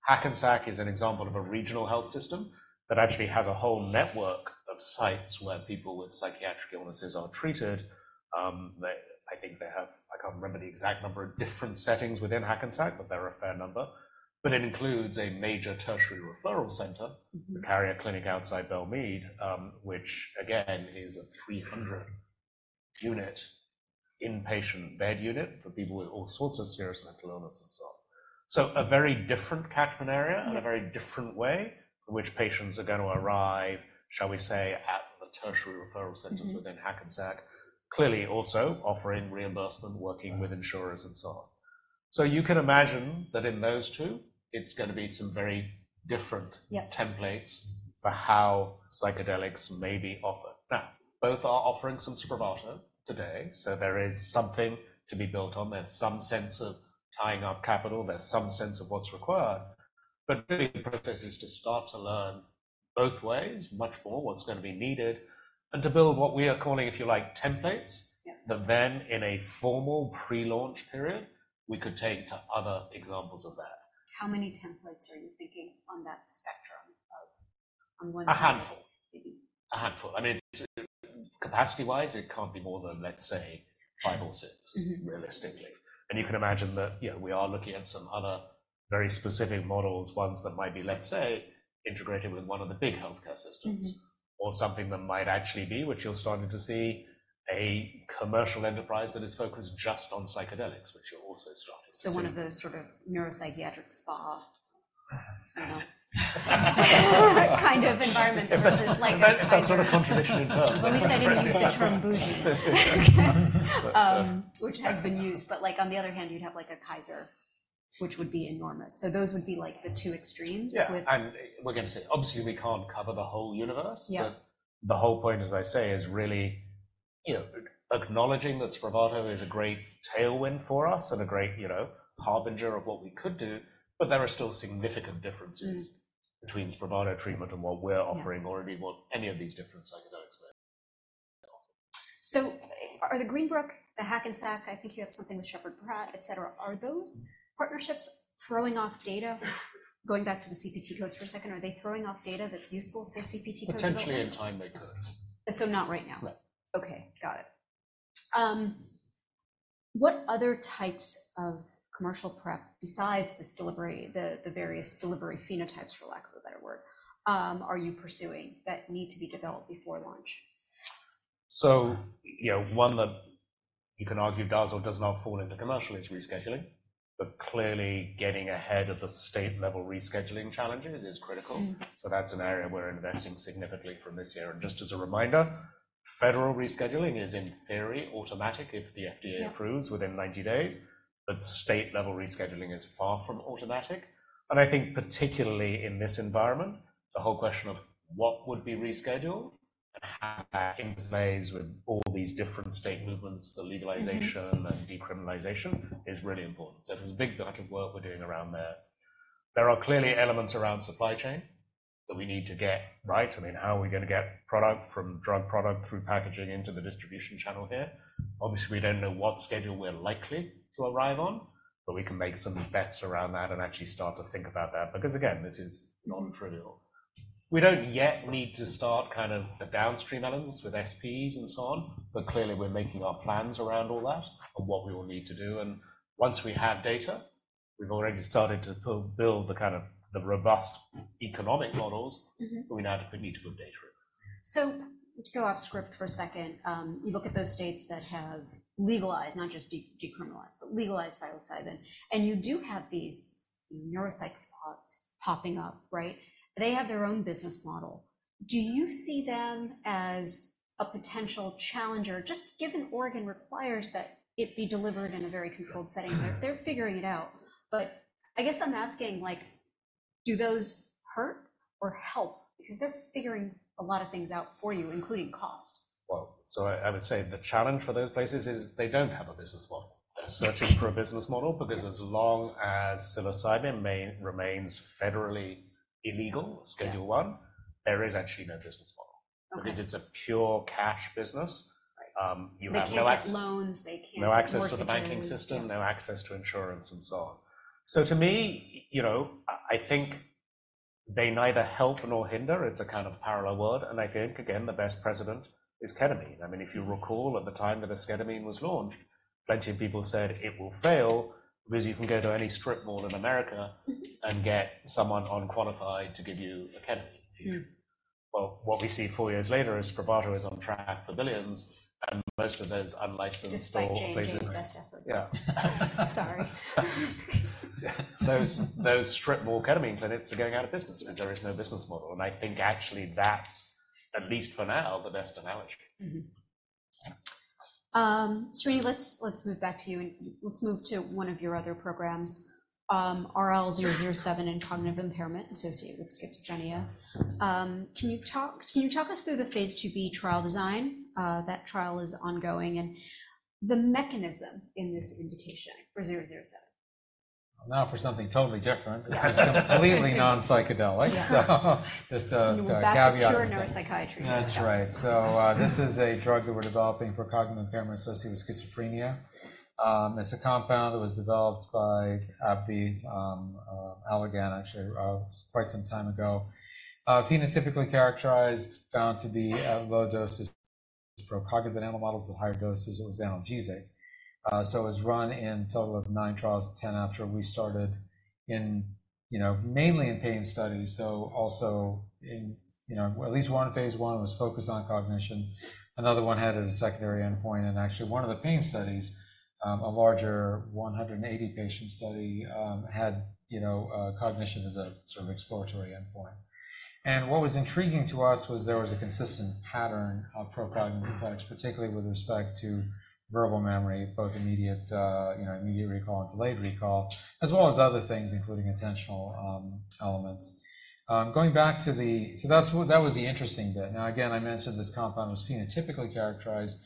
Hackensack is an example of a regional health system that actually has a whole network of sites where people with psychiatric illnesses are treated. They, I think they have I can't remember the exact number of different settings within Hackensack, but there are a fair number. But it includes a major tertiary referral center, the Carrier Clinic outside Belle Mead, which, again, is a 300-unit inpatient bed unit for people with all sorts of serious mental illness and so on. So a very different catchment area and a very different way in which patients are gonna arrive, shall we say, at the tertiary referral centers within Hackensack, clearly also offering reimbursement, working with insurers, and so on. So you can imagine that in those two, it's gonna be some very different templates for how psychedelics may be offered. Now, both are offering some Spravato today, so there is something to be built on. There's some sense of tying up capital. There's some sense of what's required. But really, the process is to start to learn both ways, much more, what's gonna be needed, and to build what we are calling, if you like, templates that then, in a formal pre-launch period, we could take to other examples of that. How many templates are you thinking on that spectrum of, on one side? A handful. Maybe. A handful. I mean, it's capacity-wise, it can't be more than, let's say, five or six, realistically. You can imagine that, you know, we are looking at some other very specific models, ones that might be, let's say, integrated with one of the big healthcare systems or something that might actually be, which you're starting to see, a commercial enterprise that is focused just on psychedelics, which you're also starting to see. So one of those sort of neuropsychiatric spa kind of environments versus like a Kaiser. But that's not a contradiction in terms. At least I didn't use the term bougie, which has been used. But like, on the other hand, you'd have like a Kaiser, which would be enormous. So those would be like the two extremes with. Yeah. And we're gonna say, obviously, we can't cover the whole universe. But the whole point, as I say, is really, you know, acknowledging that Spravato is a great tailwind for us and a great, you know, harbinger of what we could do. But there are still significant differences between Spravato treatment and what we're offering or even what any of these different psychedelics may offer. So are the Greenbrook, the Hackensack—I think you have something with Sheppard Pratt, etc.—are those partnerships throwing off data? Going back to the CPT codes for a second, are they throwing off data that's useful for CPT codes? Potentially, in time, they could. So not right now? Right. Okay. Got it. What other types of commercial prep besides this delivery, the various delivery phenotypes, for lack of a better word, are you pursuing that need to be developed before launch? So, you know, one that you can argue does or does not fall into commercial is rescheduling. But clearly, getting ahead of the state-level rescheduling challenges is critical. So that's an area we're investing significantly from this year. And just as a reminder, federal rescheduling is, in theory, automatic if the FDA approves within 90 days. But state-level rescheduling is far from automatic. And I think, particularly in this environment, the whole question of what would be rescheduled and how that interplays with all these different state movements, the legalization and decriminalization, is really important. So there's a big bucket of work we're doing around there. There are clearly elements around supply chain that we need to get right. I mean, how are we gonna get product from drug product through packaging into the distribution channel here? Obviously, we don't know what schedule we're likely to arrive on, but we can make some bets around that and actually start to think about that. Because again, this is non-trivial. We don't yet need to start kind of the downstream elements with SPs and so on. But clearly, we're making our plans around all that and what we will need to do. And once we have data, we've already started to build the kind of robust economic models, but we now need to put data in. So to go off-script for a second, you look at those states that have legalized not just decriminalized, but legalized psilocybin. And you do have these, you know, neuropsych spots popping up, right? They have their own business model. Do you see them as a potential challenger? Just given Oregon requires that it be delivered in a very controlled setting, they're figuring it out. But I guess I'm asking, like, do those hurt or help? Because they're figuring a lot of things out for you, including cost. Well, so I, I would say the challenge for those places is they don't have a business model. They're searching for a business model. Because as long as psilocybin remains federally illegal, Schedule I, there is actually no business model because it's a pure cash business. You have no access. They can't get loans. They can't. No access to the banking system, no access to insurance, and so on. So to me, you know, I think they neither help nor hinder. It's a kind of parallel world. And I think, again, the best precedent is ketamine. I mean, if you recall at the time that esketamine was launched, plenty of people said, "It will fail because you can go to any strip mall in America and get someone unqualified to give you a ketamine in the future." Well, what we see four years later is Spravato is on track for billions, and most of those unlicensed store. Display changes best efforts. Yeah. Sorry. Those strip mall ketamine clinics are going out of business because there is no business model. I think, actually, that's, at least for now, the best analogy. Srini, let's move back to you. And let's move to one of your other programs, RL-007 and Cognitive Impairment Associated with Schizophrenia. Can you talk us through the phase 2b trial design? That trial is ongoing. And the mechanism in this indication for 007? Now for something totally different. This is completely non-psychedelic, so just a caveat. We're back to pure neuropsychiatry. That's right. So, this is a drug that we're developing for Cognitive Impairment Associated with Schizophrenia. It's a compound that was developed by AbbVie, Allergan, actually, quite some time ago. Phenotypically characterized, found to be at low doses for cognitive analysis at higher doses. It was analgesic. So it was run in a total of 9 trials, 10 after we started in, you know, mainly in pain studies, though also in, you know, at least one Phase 1 was focused on cognition. Another one had a secondary endpoint. And actually, one of the pain studies, a larger 180-patient study, had, you know, cognition as a sort of exploratory endpoint. And what was intriguing to us was there was a consistent pattern of procognitive effects, particularly with respect to verbal memory, both immediate, you know, immediate recall and delayed recall, as well as other things, including attentional elements. Going back to the, so that's what that was the interesting bit. Now, again, I mentioned this compound was phenotypically characterized.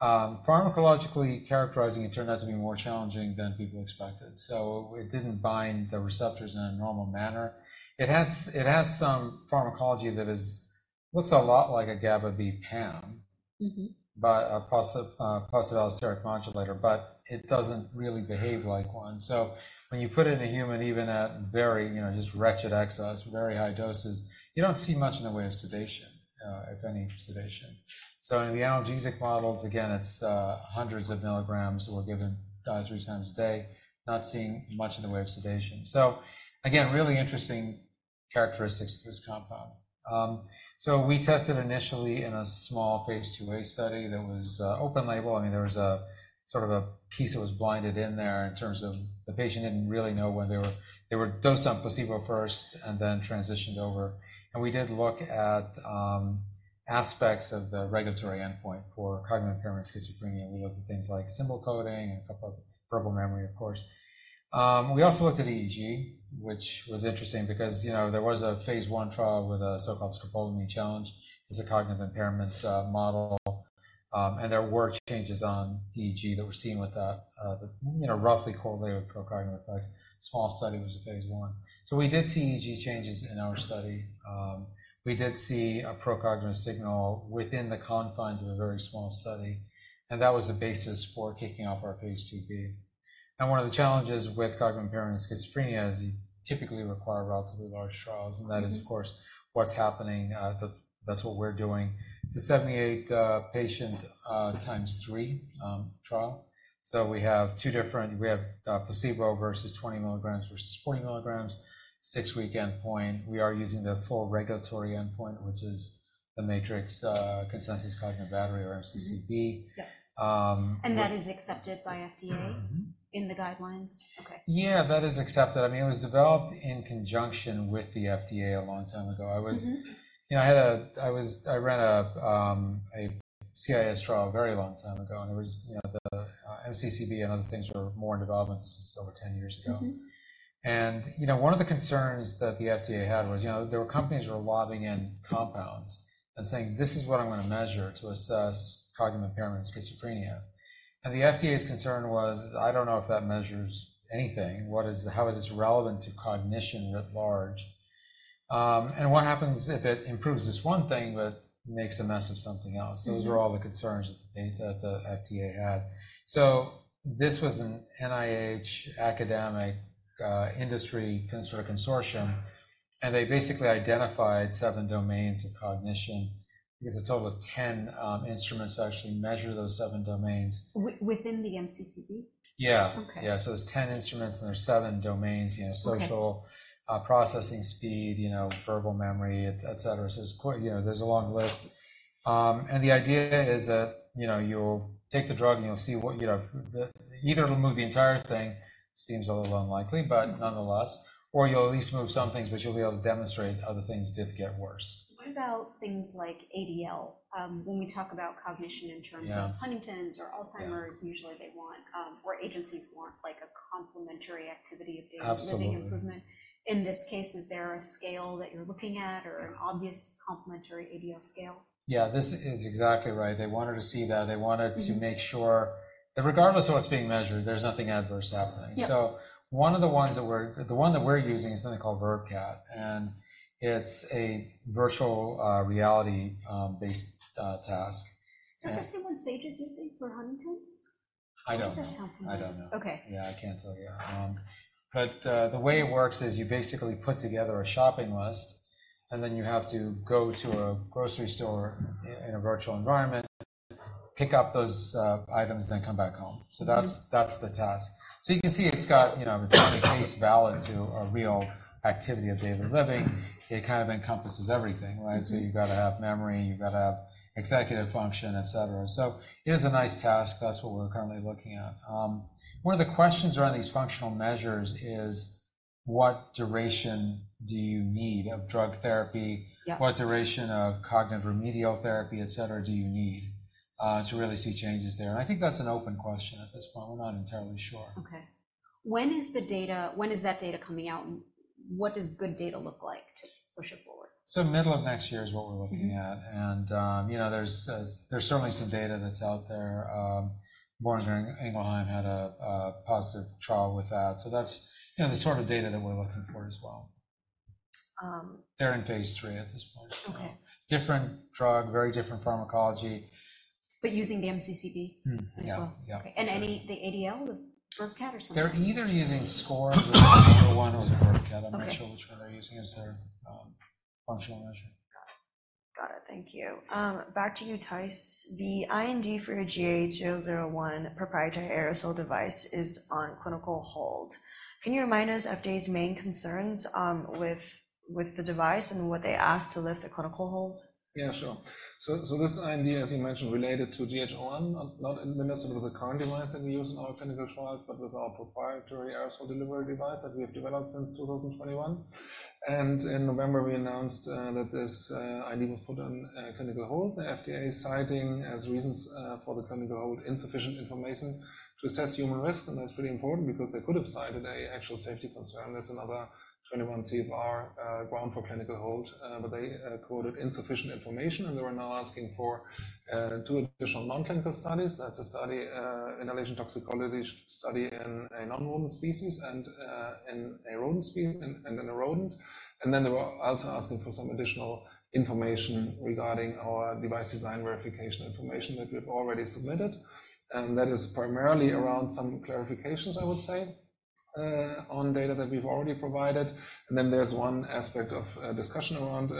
Pharmacologically characterizing it turned out to be more challenging than people expected. So it didn't bind the receptors in a normal manner. It has some pharmacology that looks a lot like a GABA-B PAM, but a positive allosteric modulator. But it doesn't really behave like one. So when you put it in a human, even at very, you know, just wretched excess, very high doses, you don't see much in the way of sedation, if any sedation. So in the analgesic models, again, it's hundreds of milligrams that were given three times a day, not seeing much in the way of sedation. So again, really interesting characteristics of this compound. So we tested initially in a small phase 2A study that was open label. I mean, there was a sort of a piece that was blinded in there in terms of the patient didn't really know when they were dosed on placebo first and then transitioned over. We did look at aspects of the regulatory endpoint for cognitive impairment, schizophrenia. We looked at things like symbol coding and a couple of verbal memory, of course. We also looked at EEG, which was interesting because, you know, there was a phase 1 trial with a so-called scopolamine challenge. It's a cognitive impairment model. And there were changes on EEG that were seen with that, that, you know, roughly correlated with procognitive effects. Small study was a phase 1. So we did see EEG changes in our study. We did see a procognitive signal within the confines of a very small study. And that was the basis for kicking off our phase 2b. One of the challenges with cognitive impairment and schizophrenia is you typically require relatively large trials. That is, of course, what's happening. That's what we're doing. It's a 78-patient times three trial. So we have two different placebo versus 20 milligrams versus 40 milligrams, 6-week endpoint. We are using the full regulatory endpoint, which is the MATRICS Consensus Cognitive Battery or MCCB. That is accepted by FDA in the guidelines? Okay. Yeah. That is accepted. I mean, it was developed in conjunction with the FDA a long time ago. I was, you know, I ran a CIAS trial a very long time ago. And there was, you know, the MCCB and other things were more in development. This is over 10 years ago. And, you know, one of the concerns that the FDA had was, you know, there were companies that were lobbying in compounds and saying, "This is what I'm gonna measure to assess cognitive impairment and schizophrenia." And the FDA's concern was, "I don't know if that measures anything. What is, how is this relevant to cognition writ large? and what happens if it improves this one thing but makes a mess of something else?" Those were all the concerns that the FDA had. This was an NIH academic, industry sort of consortium. They basically identified seven domains of cognition because a total of 10 instruments actually measure those seven domains. Within the MCCB? Yeah. Yeah. So there's 10 instruments, and there's 7 domains, you know, social, processing speed, you know, verbal memory, etc. So it's quite you know, there's a long list. And the idea is that, you know, you'll take the drug, and you'll see what, you know, the either it'll move the entire thing seems a little unlikely, but nonetheless, or you'll at least move some things, but you'll be able to demonstrate other things did get worse. What about things like ADL? When we talk about cognition in terms of Huntington's or Alzheimer's, usually, they want, or agencies want, like, a complementary activity of daily living improvement. In this case, is there a scale that you're looking at or an obvious complementary ADL scale? Yeah. This is exactly right. They wanted to see that. They wanted to make sure that regardless of what's being measured, there's nothing adverse happening. So one of the ones that we're using is something called VRFCAT. And it's a virtual reality-based task. Is that the same one Sage is using for Huntington's? I don't. Why does that sound familiar? I don't know. Okay. Yeah. I can't tell you, but the way it works is you basically put together a shopping list, and then you have to go to a grocery store in a virtual environment, pick up those items, then come back home. So that's the task. So you can see it's got, you know, it's face valid to a real activity of daily living. It kind of encompasses everything, right? So you've got to have memory. You've got to have executive function, etc. So it is a nice task. That's what we're currently looking at. One of the questions around these functional measures is, what duration do you need of drug therapy? What duration of cognitive remediation therapy, etc., do you need to really see changes there? And I think that's an open question at this point. We're not entirely sure. Okay. When is the data? When is that data coming out? What does good data look like to push it forward? Middle of next year is what we're looking at. You know, there's certainly some data that's out there. Boehringer Ingelheim had a positive trial with that. That's, you know, the sort of data that we're looking for as well. They're in phase 3 at this point. Okay. Different drug, very different pharmacology. But using the MCCB as well? Yeah. Yeah. Okay. Any the ADL, the VRFCAT, or something? They're either using scores or the number one or the VRFCAT. I'm not sure which one they're using as their functional measure. Got it. Got it. Thank you. Back to you, Tyson. The IND for your GH001 proprietary aerosol device is on clinical hold. Can you remind us FDA's main concerns, with the device and what they asked to lift the clinical hold? Yeah. Sure. So, so this IND, as you mentioned, related to GH001, not administered with the current device that we use in our clinical trials, but with our proprietary aerosol delivery device that we have developed since 2021. And in November, we announced that this IND was put on clinical hold. The FDA citing as reasons for the clinical hold insufficient information to assess human risk. And that's pretty important because they could have cited a actual safety concern. That's another 21 CFR ground for clinical hold, but they quoted insufficient information. And they were now asking for two additional non-clinical studies. That's a study, inhalation toxicology study in a non-human species and in a rodent species. And then they were also asking for some additional information regarding our device design verification information that we've already submitted. That is primarily around some clarifications, I would say, on data that we've already provided. Then there's one aspect of discussion around the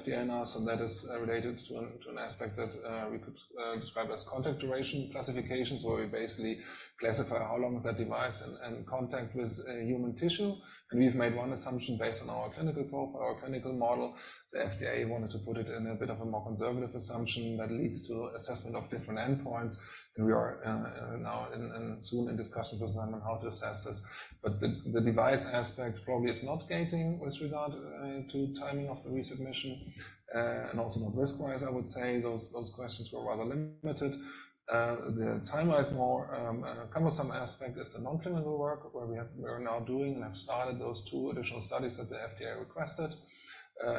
FDA and us. That is related to an aspect that we could describe as contact duration classifications, where we basically classify how long that device is in contact with human tissue. We've made one assumption based on our clinical goal for our clinical model. The FDA wanted to put it in a bit more conservative assumption that leads to assessment of different endpoints. We are now in discussion with them soon on how to assess this. But the device aspect probably is not gating with regard to timing of the resubmission, and also not risk-wise, I would say. Those questions were rather limited. The timeline is more cumbersome aspect is the non-clinical work where we are now doing and have started those two additional studies that the FDA requested,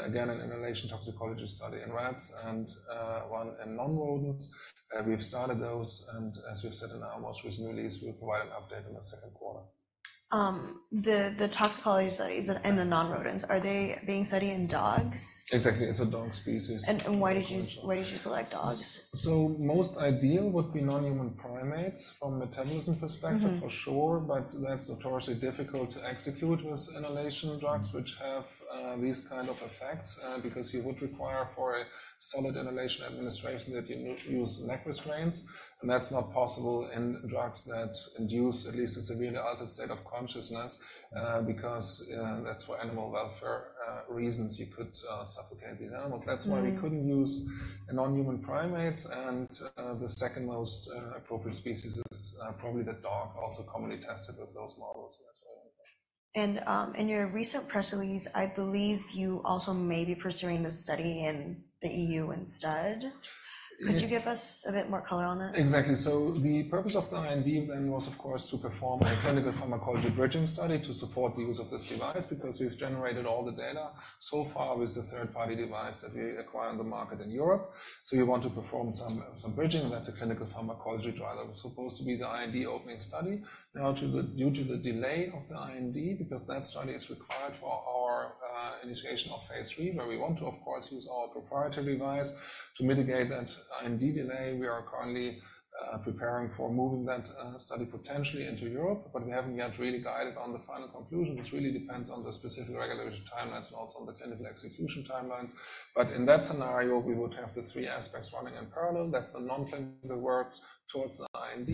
again, an inhalation toxicology study in rats and one in non-rodents. We've started those. As we've said in our most recent release, we'll provide an update in the second quarter. The toxicology studies and the non-rodents, are they being studied in dogs? Exactly. It's a dog species. Why did you select dogs? So most ideal would be non-human primates from metabolism perspective, for sure. But that's notoriously difficult to execute with inhalation drugs, which have these kind of effects, because you would require for a solid inhalation administration that you use neck restraints. And that's not possible in drugs that induce at least a severely altered state of consciousness, because that's for animal welfare reasons. You could suffocate these animals. That's why we couldn't use non-human primates. And the second most appropriate species is probably the dog, also commonly tested with those models as well. In your recent press release, I believe you also may be pursuing this study in the EU instead. Could you give us a bit more color on that? Exactly. So the purpose of the IND then was, of course, to perform a clinical pharmacology bridging study to support the use of this device because we've generated all the data so far with the third-party device that we acquired on the market in Europe. So you want to perform some bridging. And that's a clinical pharmacology trial that was supposed to be the IND opening study. Now, due to the delay of the IND because that study is required for our initiation of phase 3, where we want to, of course, use our proprietary device to mitigate that IND delay, we are currently preparing for moving that study potentially into Europe. But we haven't yet really guided on the final conclusion. It really depends on the specific regulatory timelines and also on the clinical execution timelines. But in that scenario, we would have the three aspects running in parallel. That's the non-clinical works towards the IND.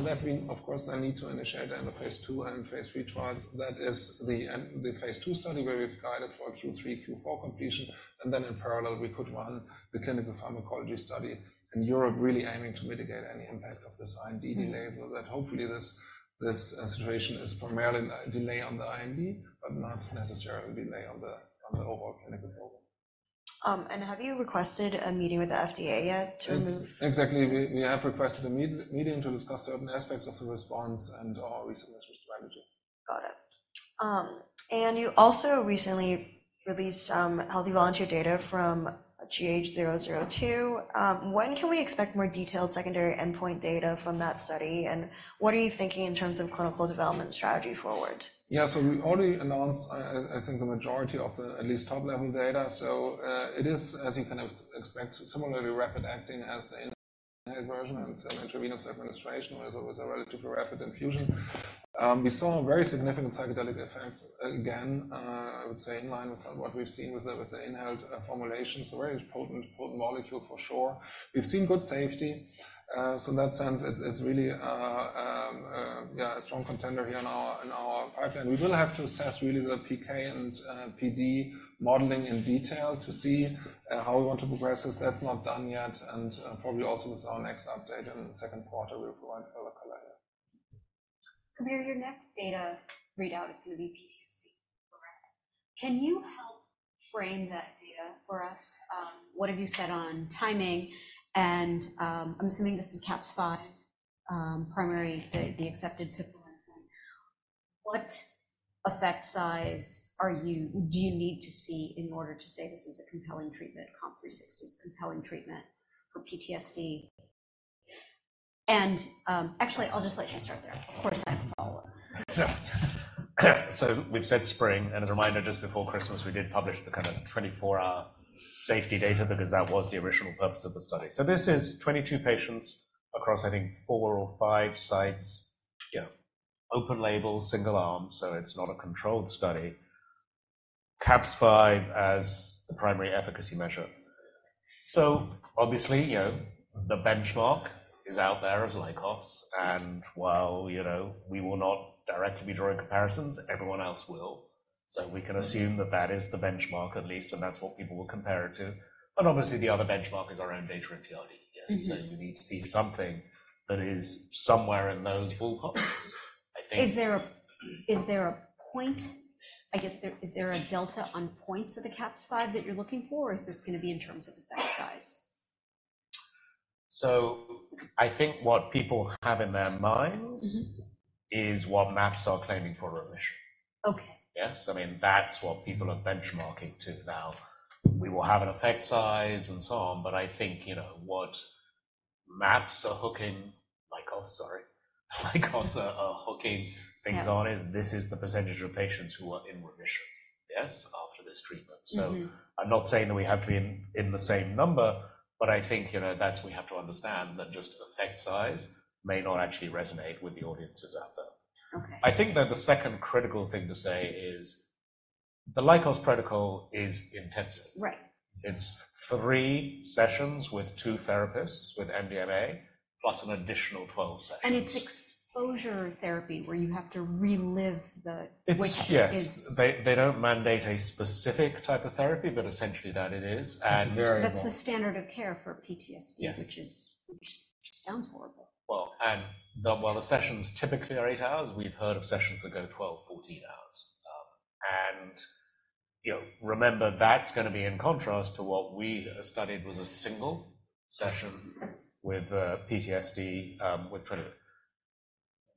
That we, of course, then need to initiate in the phase 2 and phase 3 trials. That is the phase 2 study where we've guided for Q3, Q4 completion. Then in parallel, we could run the clinical pharmacology study in Europe, really aiming to mitigate any impact of this IND delay so that hopefully, this situation is primarily delay on the IND but not necessarily delay on the overall clinical goal. Have you requested a meeting with the FDA yet to remove? Exactly. We have requested a meeting to discuss certain aspects of the response and our resilience strategy. Got it. You also recently released some healthy volunteer data from GH002. When can we expect more detailed secondary endpoint data from that study? And what are you thinking in terms of clinical development strategy forward? Yeah. So we already announced, I, I think, the majority of the at least top-level data. So, it is, as you kind of expect, similarly rapid-acting as the inhaled version and some intravenous administration with a relatively rapid infusion. We saw very significant psychedelic effects again, I would say, in line with what we've seen with the inhaled formulation. So very potent molecule, for sure. We've seen good safety. So in that sense, it's, it's really, yeah, a strong contender here in our pipeline. We will have to assess really the PK and PD modeling in detail to see how we want to progress this. That's not done yet. Probably also with our next update in the second quarter, we'll provide further color here. Kabir, your next data readout is gonna be PTSD, correct? Can you help frame that data for us? What have you said on timing? And, I'm assuming this is CAPS-5, primary, the accepted endpoint. What effect size do you need to see in order to say, "This is a compelling treatment, COMP360, is a compelling treatment for PTSD"? And, actually, I'll just let you start there. Of course, I have a follow-up. Yeah. So we've said spring. And as a reminder, just before Christmas, we did publish the kind of 24-hour safety data because that was the original purpose of the study. So this is 22 patients across, I think, four or five sites, you know, open-label, single-arm. So it's not a controlled study. CAPS-5 as the primary efficacy measure. So obviously, you know, the benchmark is out there as Lykos. And while, you know, we will not directly be drawing comparisons, everyone else will. So we can assume that that is the benchmark at least, and that's what people will compare it to. And obviously, the other benchmark is our own data in TRD, you know? So you need to see something that is somewhere in those ballparks, I think. Is there a point, I guess? Is there a delta on points of the CAPS-5 that you're looking for, or is this gonna be in terms of effect size? I think what people have in their minds is what MAPS are claiming for remission. Okay. Yeah. So I mean, that's what people are benchmarking to now. We will have an effect size and so on. But I think, you know, what MAPS are hooking Lykos, sorry. Lykos are, are hooking things on is, "This is the percentage of patients who are in remission, yes, after this treatment." So I'm not saying that we have to be in, in the same number, but I think, you know, that's we have to understand that just effect size may not actually resonate with the audiences out there. Okay. I think that the second critical thing to say is the Lykos protocol is intensive. Right. It's 3 sessions with 2 therapists with MDMA plus an additional 12 sessions. It's exposure therapy where you have to relive the which it is. Yes. They don't mandate a specific type of therapy, but essentially, that it is. And. That's the standard of care for PTSD, which just sounds horrible. Well. And while the sessions typically are eight hours, we've heard of sessions that go 12, 14 hours. And, you know, remember, that's gonna be in contrast to what we studied was a single session with PTSD, with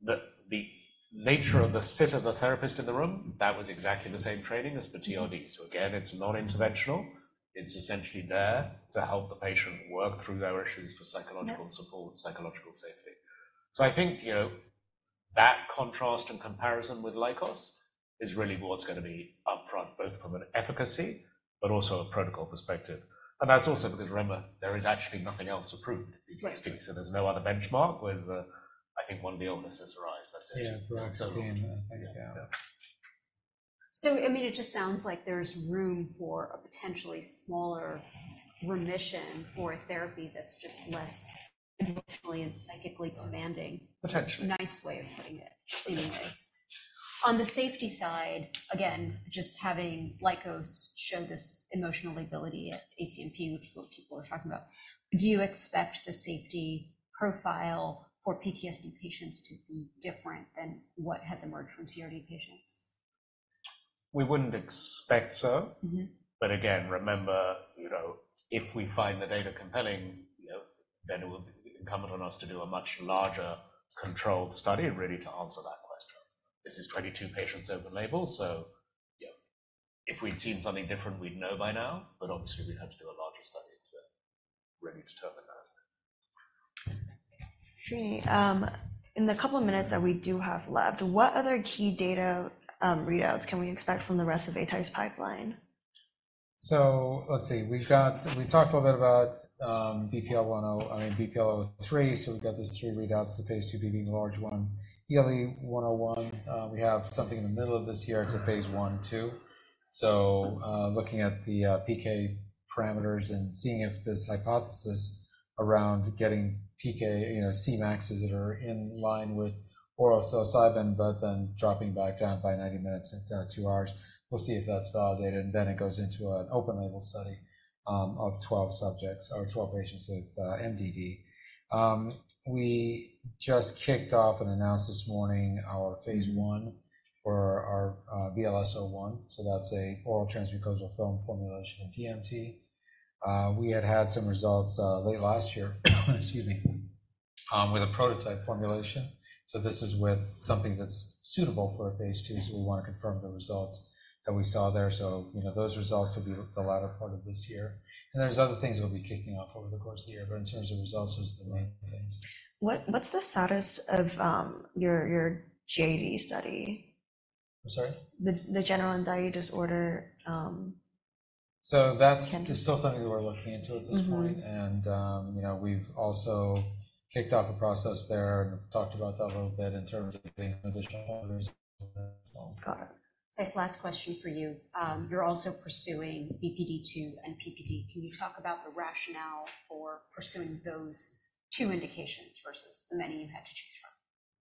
COMP360, the nature of the sitter of the therapist in the room, that was exactly the same training as for TRD. So again, it's non-interventional. It's essentially there to help the patient work through their issues for psychological support, psychological safety. So I think, you know, that contrast and comparison with Lykos is really what's gonna be upfront, both from an efficacy but also a protocol perspective. And that's also because, remember, there is actually nothing else approved in PTSD. So there's no other benchmark with, I think, one of the illnesses arise. That's it. Yeah. We're at 16, I think. Yeah. Yeah. I mean, it just sounds like there's room for a potentially smaller remission for a therapy that's just less emotionally and psychically commanding. Potentially. Nice way of putting it, seemingly. On the safety side, again, just having Lykos show this emotional lability at ACNP, which is what people are talking about, do you expect the safety profile for PTSD patients to be different than what has emerged from TRD patients? We wouldn't expect so. But again, remember, you know, if we find the data compelling, you know, then it will incumbent on us to do a much larger controlled study ready to answer that question. This is 22 patients open-label. So, you know, if we'd seen something different, we'd know by now. But obviously, we'd have to do a larger study to really determine that. In the couple of minutes that we do have left, what other key data readouts can we expect from the rest of Atai's pipeline? So let's see. We've got we talked a little bit about BPL-003, I mean, BPL-003. So we've got these three readouts, the phase 2b being the large one, ELE-101. We have something in the middle of this year. It's a phase 1, 2. So, looking at the PK parameters and seeing if this hypothesis around getting PK, you know, Cmaxs that are in line with oral psilocybin but then dropping back down by 90 minutes into 2 hours, we'll see if that's validated. And then it goes into an open-label study of 12 subjects or 12 patients with MDD. We just kicked off an announcement this morning, our phase 1 for our VLS-01. So that's a oral transmucosal film formulation of DMT. We had had some results late last year, excuse me, with a prototype formulation. So this is with something that's suitable for a phase 2. We wanna confirm the results that we saw there. You know, those results will be the latter part of this year. There's other things that will be kicking off over the course of the year. In terms of results, those are the main things. What's the status of your GAD study? I'm sorry? The general anxiety disorder can be. So that's still something that we're looking into at this point. And, you know, we've also kicked off a process there and talked about that a little bit in terms of additional results as well. Got it. Tyson, last question for you. You're also pursuing BP-II and PPD. Can you talk about the rationale for pursuing those two indications versus the many you had to choose from?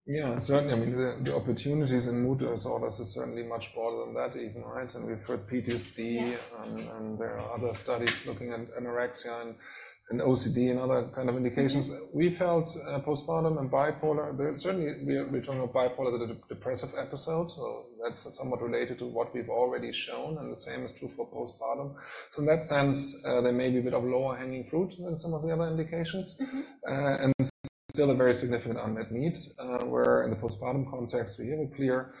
Yeah. Certainly. I mean, the opportunities in mood disorders are certainly much broader than that even, right? And we've heard PTSD. And there are other studies looking at anorexia and OCD and other kind of indications. We felt postpartum and bipolar there certainly. We're talking about bipolar, the depressive episode. So that's somewhat related to what we've already shown. And the same is true for postpartum. So in that sense, there may be a bit of lower hanging fruit than some of the other indications. And still a very significant unmet need, where in the postpartum context, we have a clear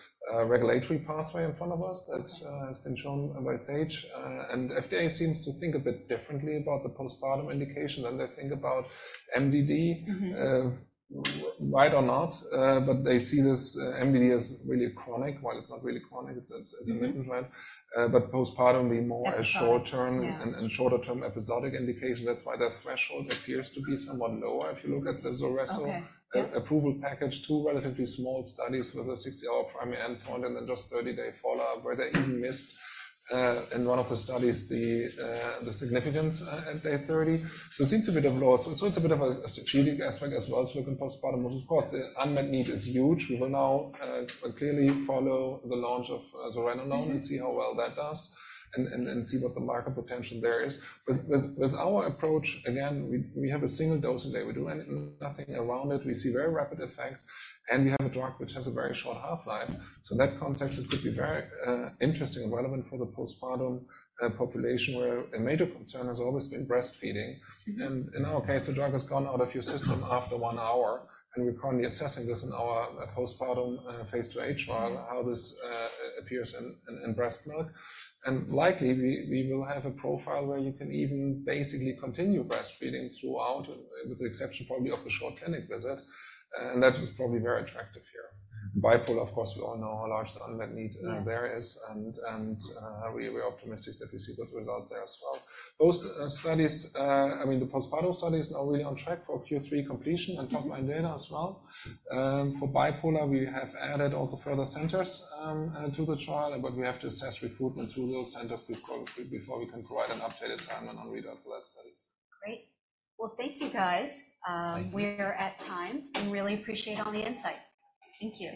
regulatory pathway in front of us that has been shown by Sage And FDA seems to think a bit differently about the postpartum indication than they think about MDD, right or not. But they see this MDD as really chronic while it's not really chronic. It's intermittent, right? But postpartum being more a short-term and shorter-term episodic indication. That's why the threshold appears to be somewhat lower if you look at the Zulresso approval package, two relatively small studies with a 60-hour primary endpoint and then just 30-day follow-up where they even missed, in one of the studies, the significance at day 30. So it seems a bit of lower. So it's a bit of a strategic aspect as well to look in postpartum. But of course, the unmet need is huge. We will now clearly follow the launch of zuranolone and see how well that does and see what the market potential there is. But with our approach, again, we have a single dose a day. We do nothing around it. We see very rapid effects. We have a drug which has a very short half-life. So in that context, it could be very interesting and relevant for the postpartum population where a major concern has always been breastfeeding. And in our case, the drug has gone out of your system after one hour. And we're currently assessing this in our postpartum Phase 2a trial, how this appears in breast milk. And likely we will have a profile where you can even basically continue breastfeeding throughout with the exception probably of the short clinic visit. And that is probably very attractive here. Bipolar, of course, we all know how large the unmet need there is. And we're optimistic that we see those results there as well. Those studies, I mean, the postpartum study is now really on track for Q3 completion and top-line data as well. For bipolar, we have added also further centers, to the trial. But we have to assess recruitment through those centers before we can provide an updated timeline on readout for that study. Great. Well, thank you, guys. We are at time. We really appreciate all the insight. Thank you.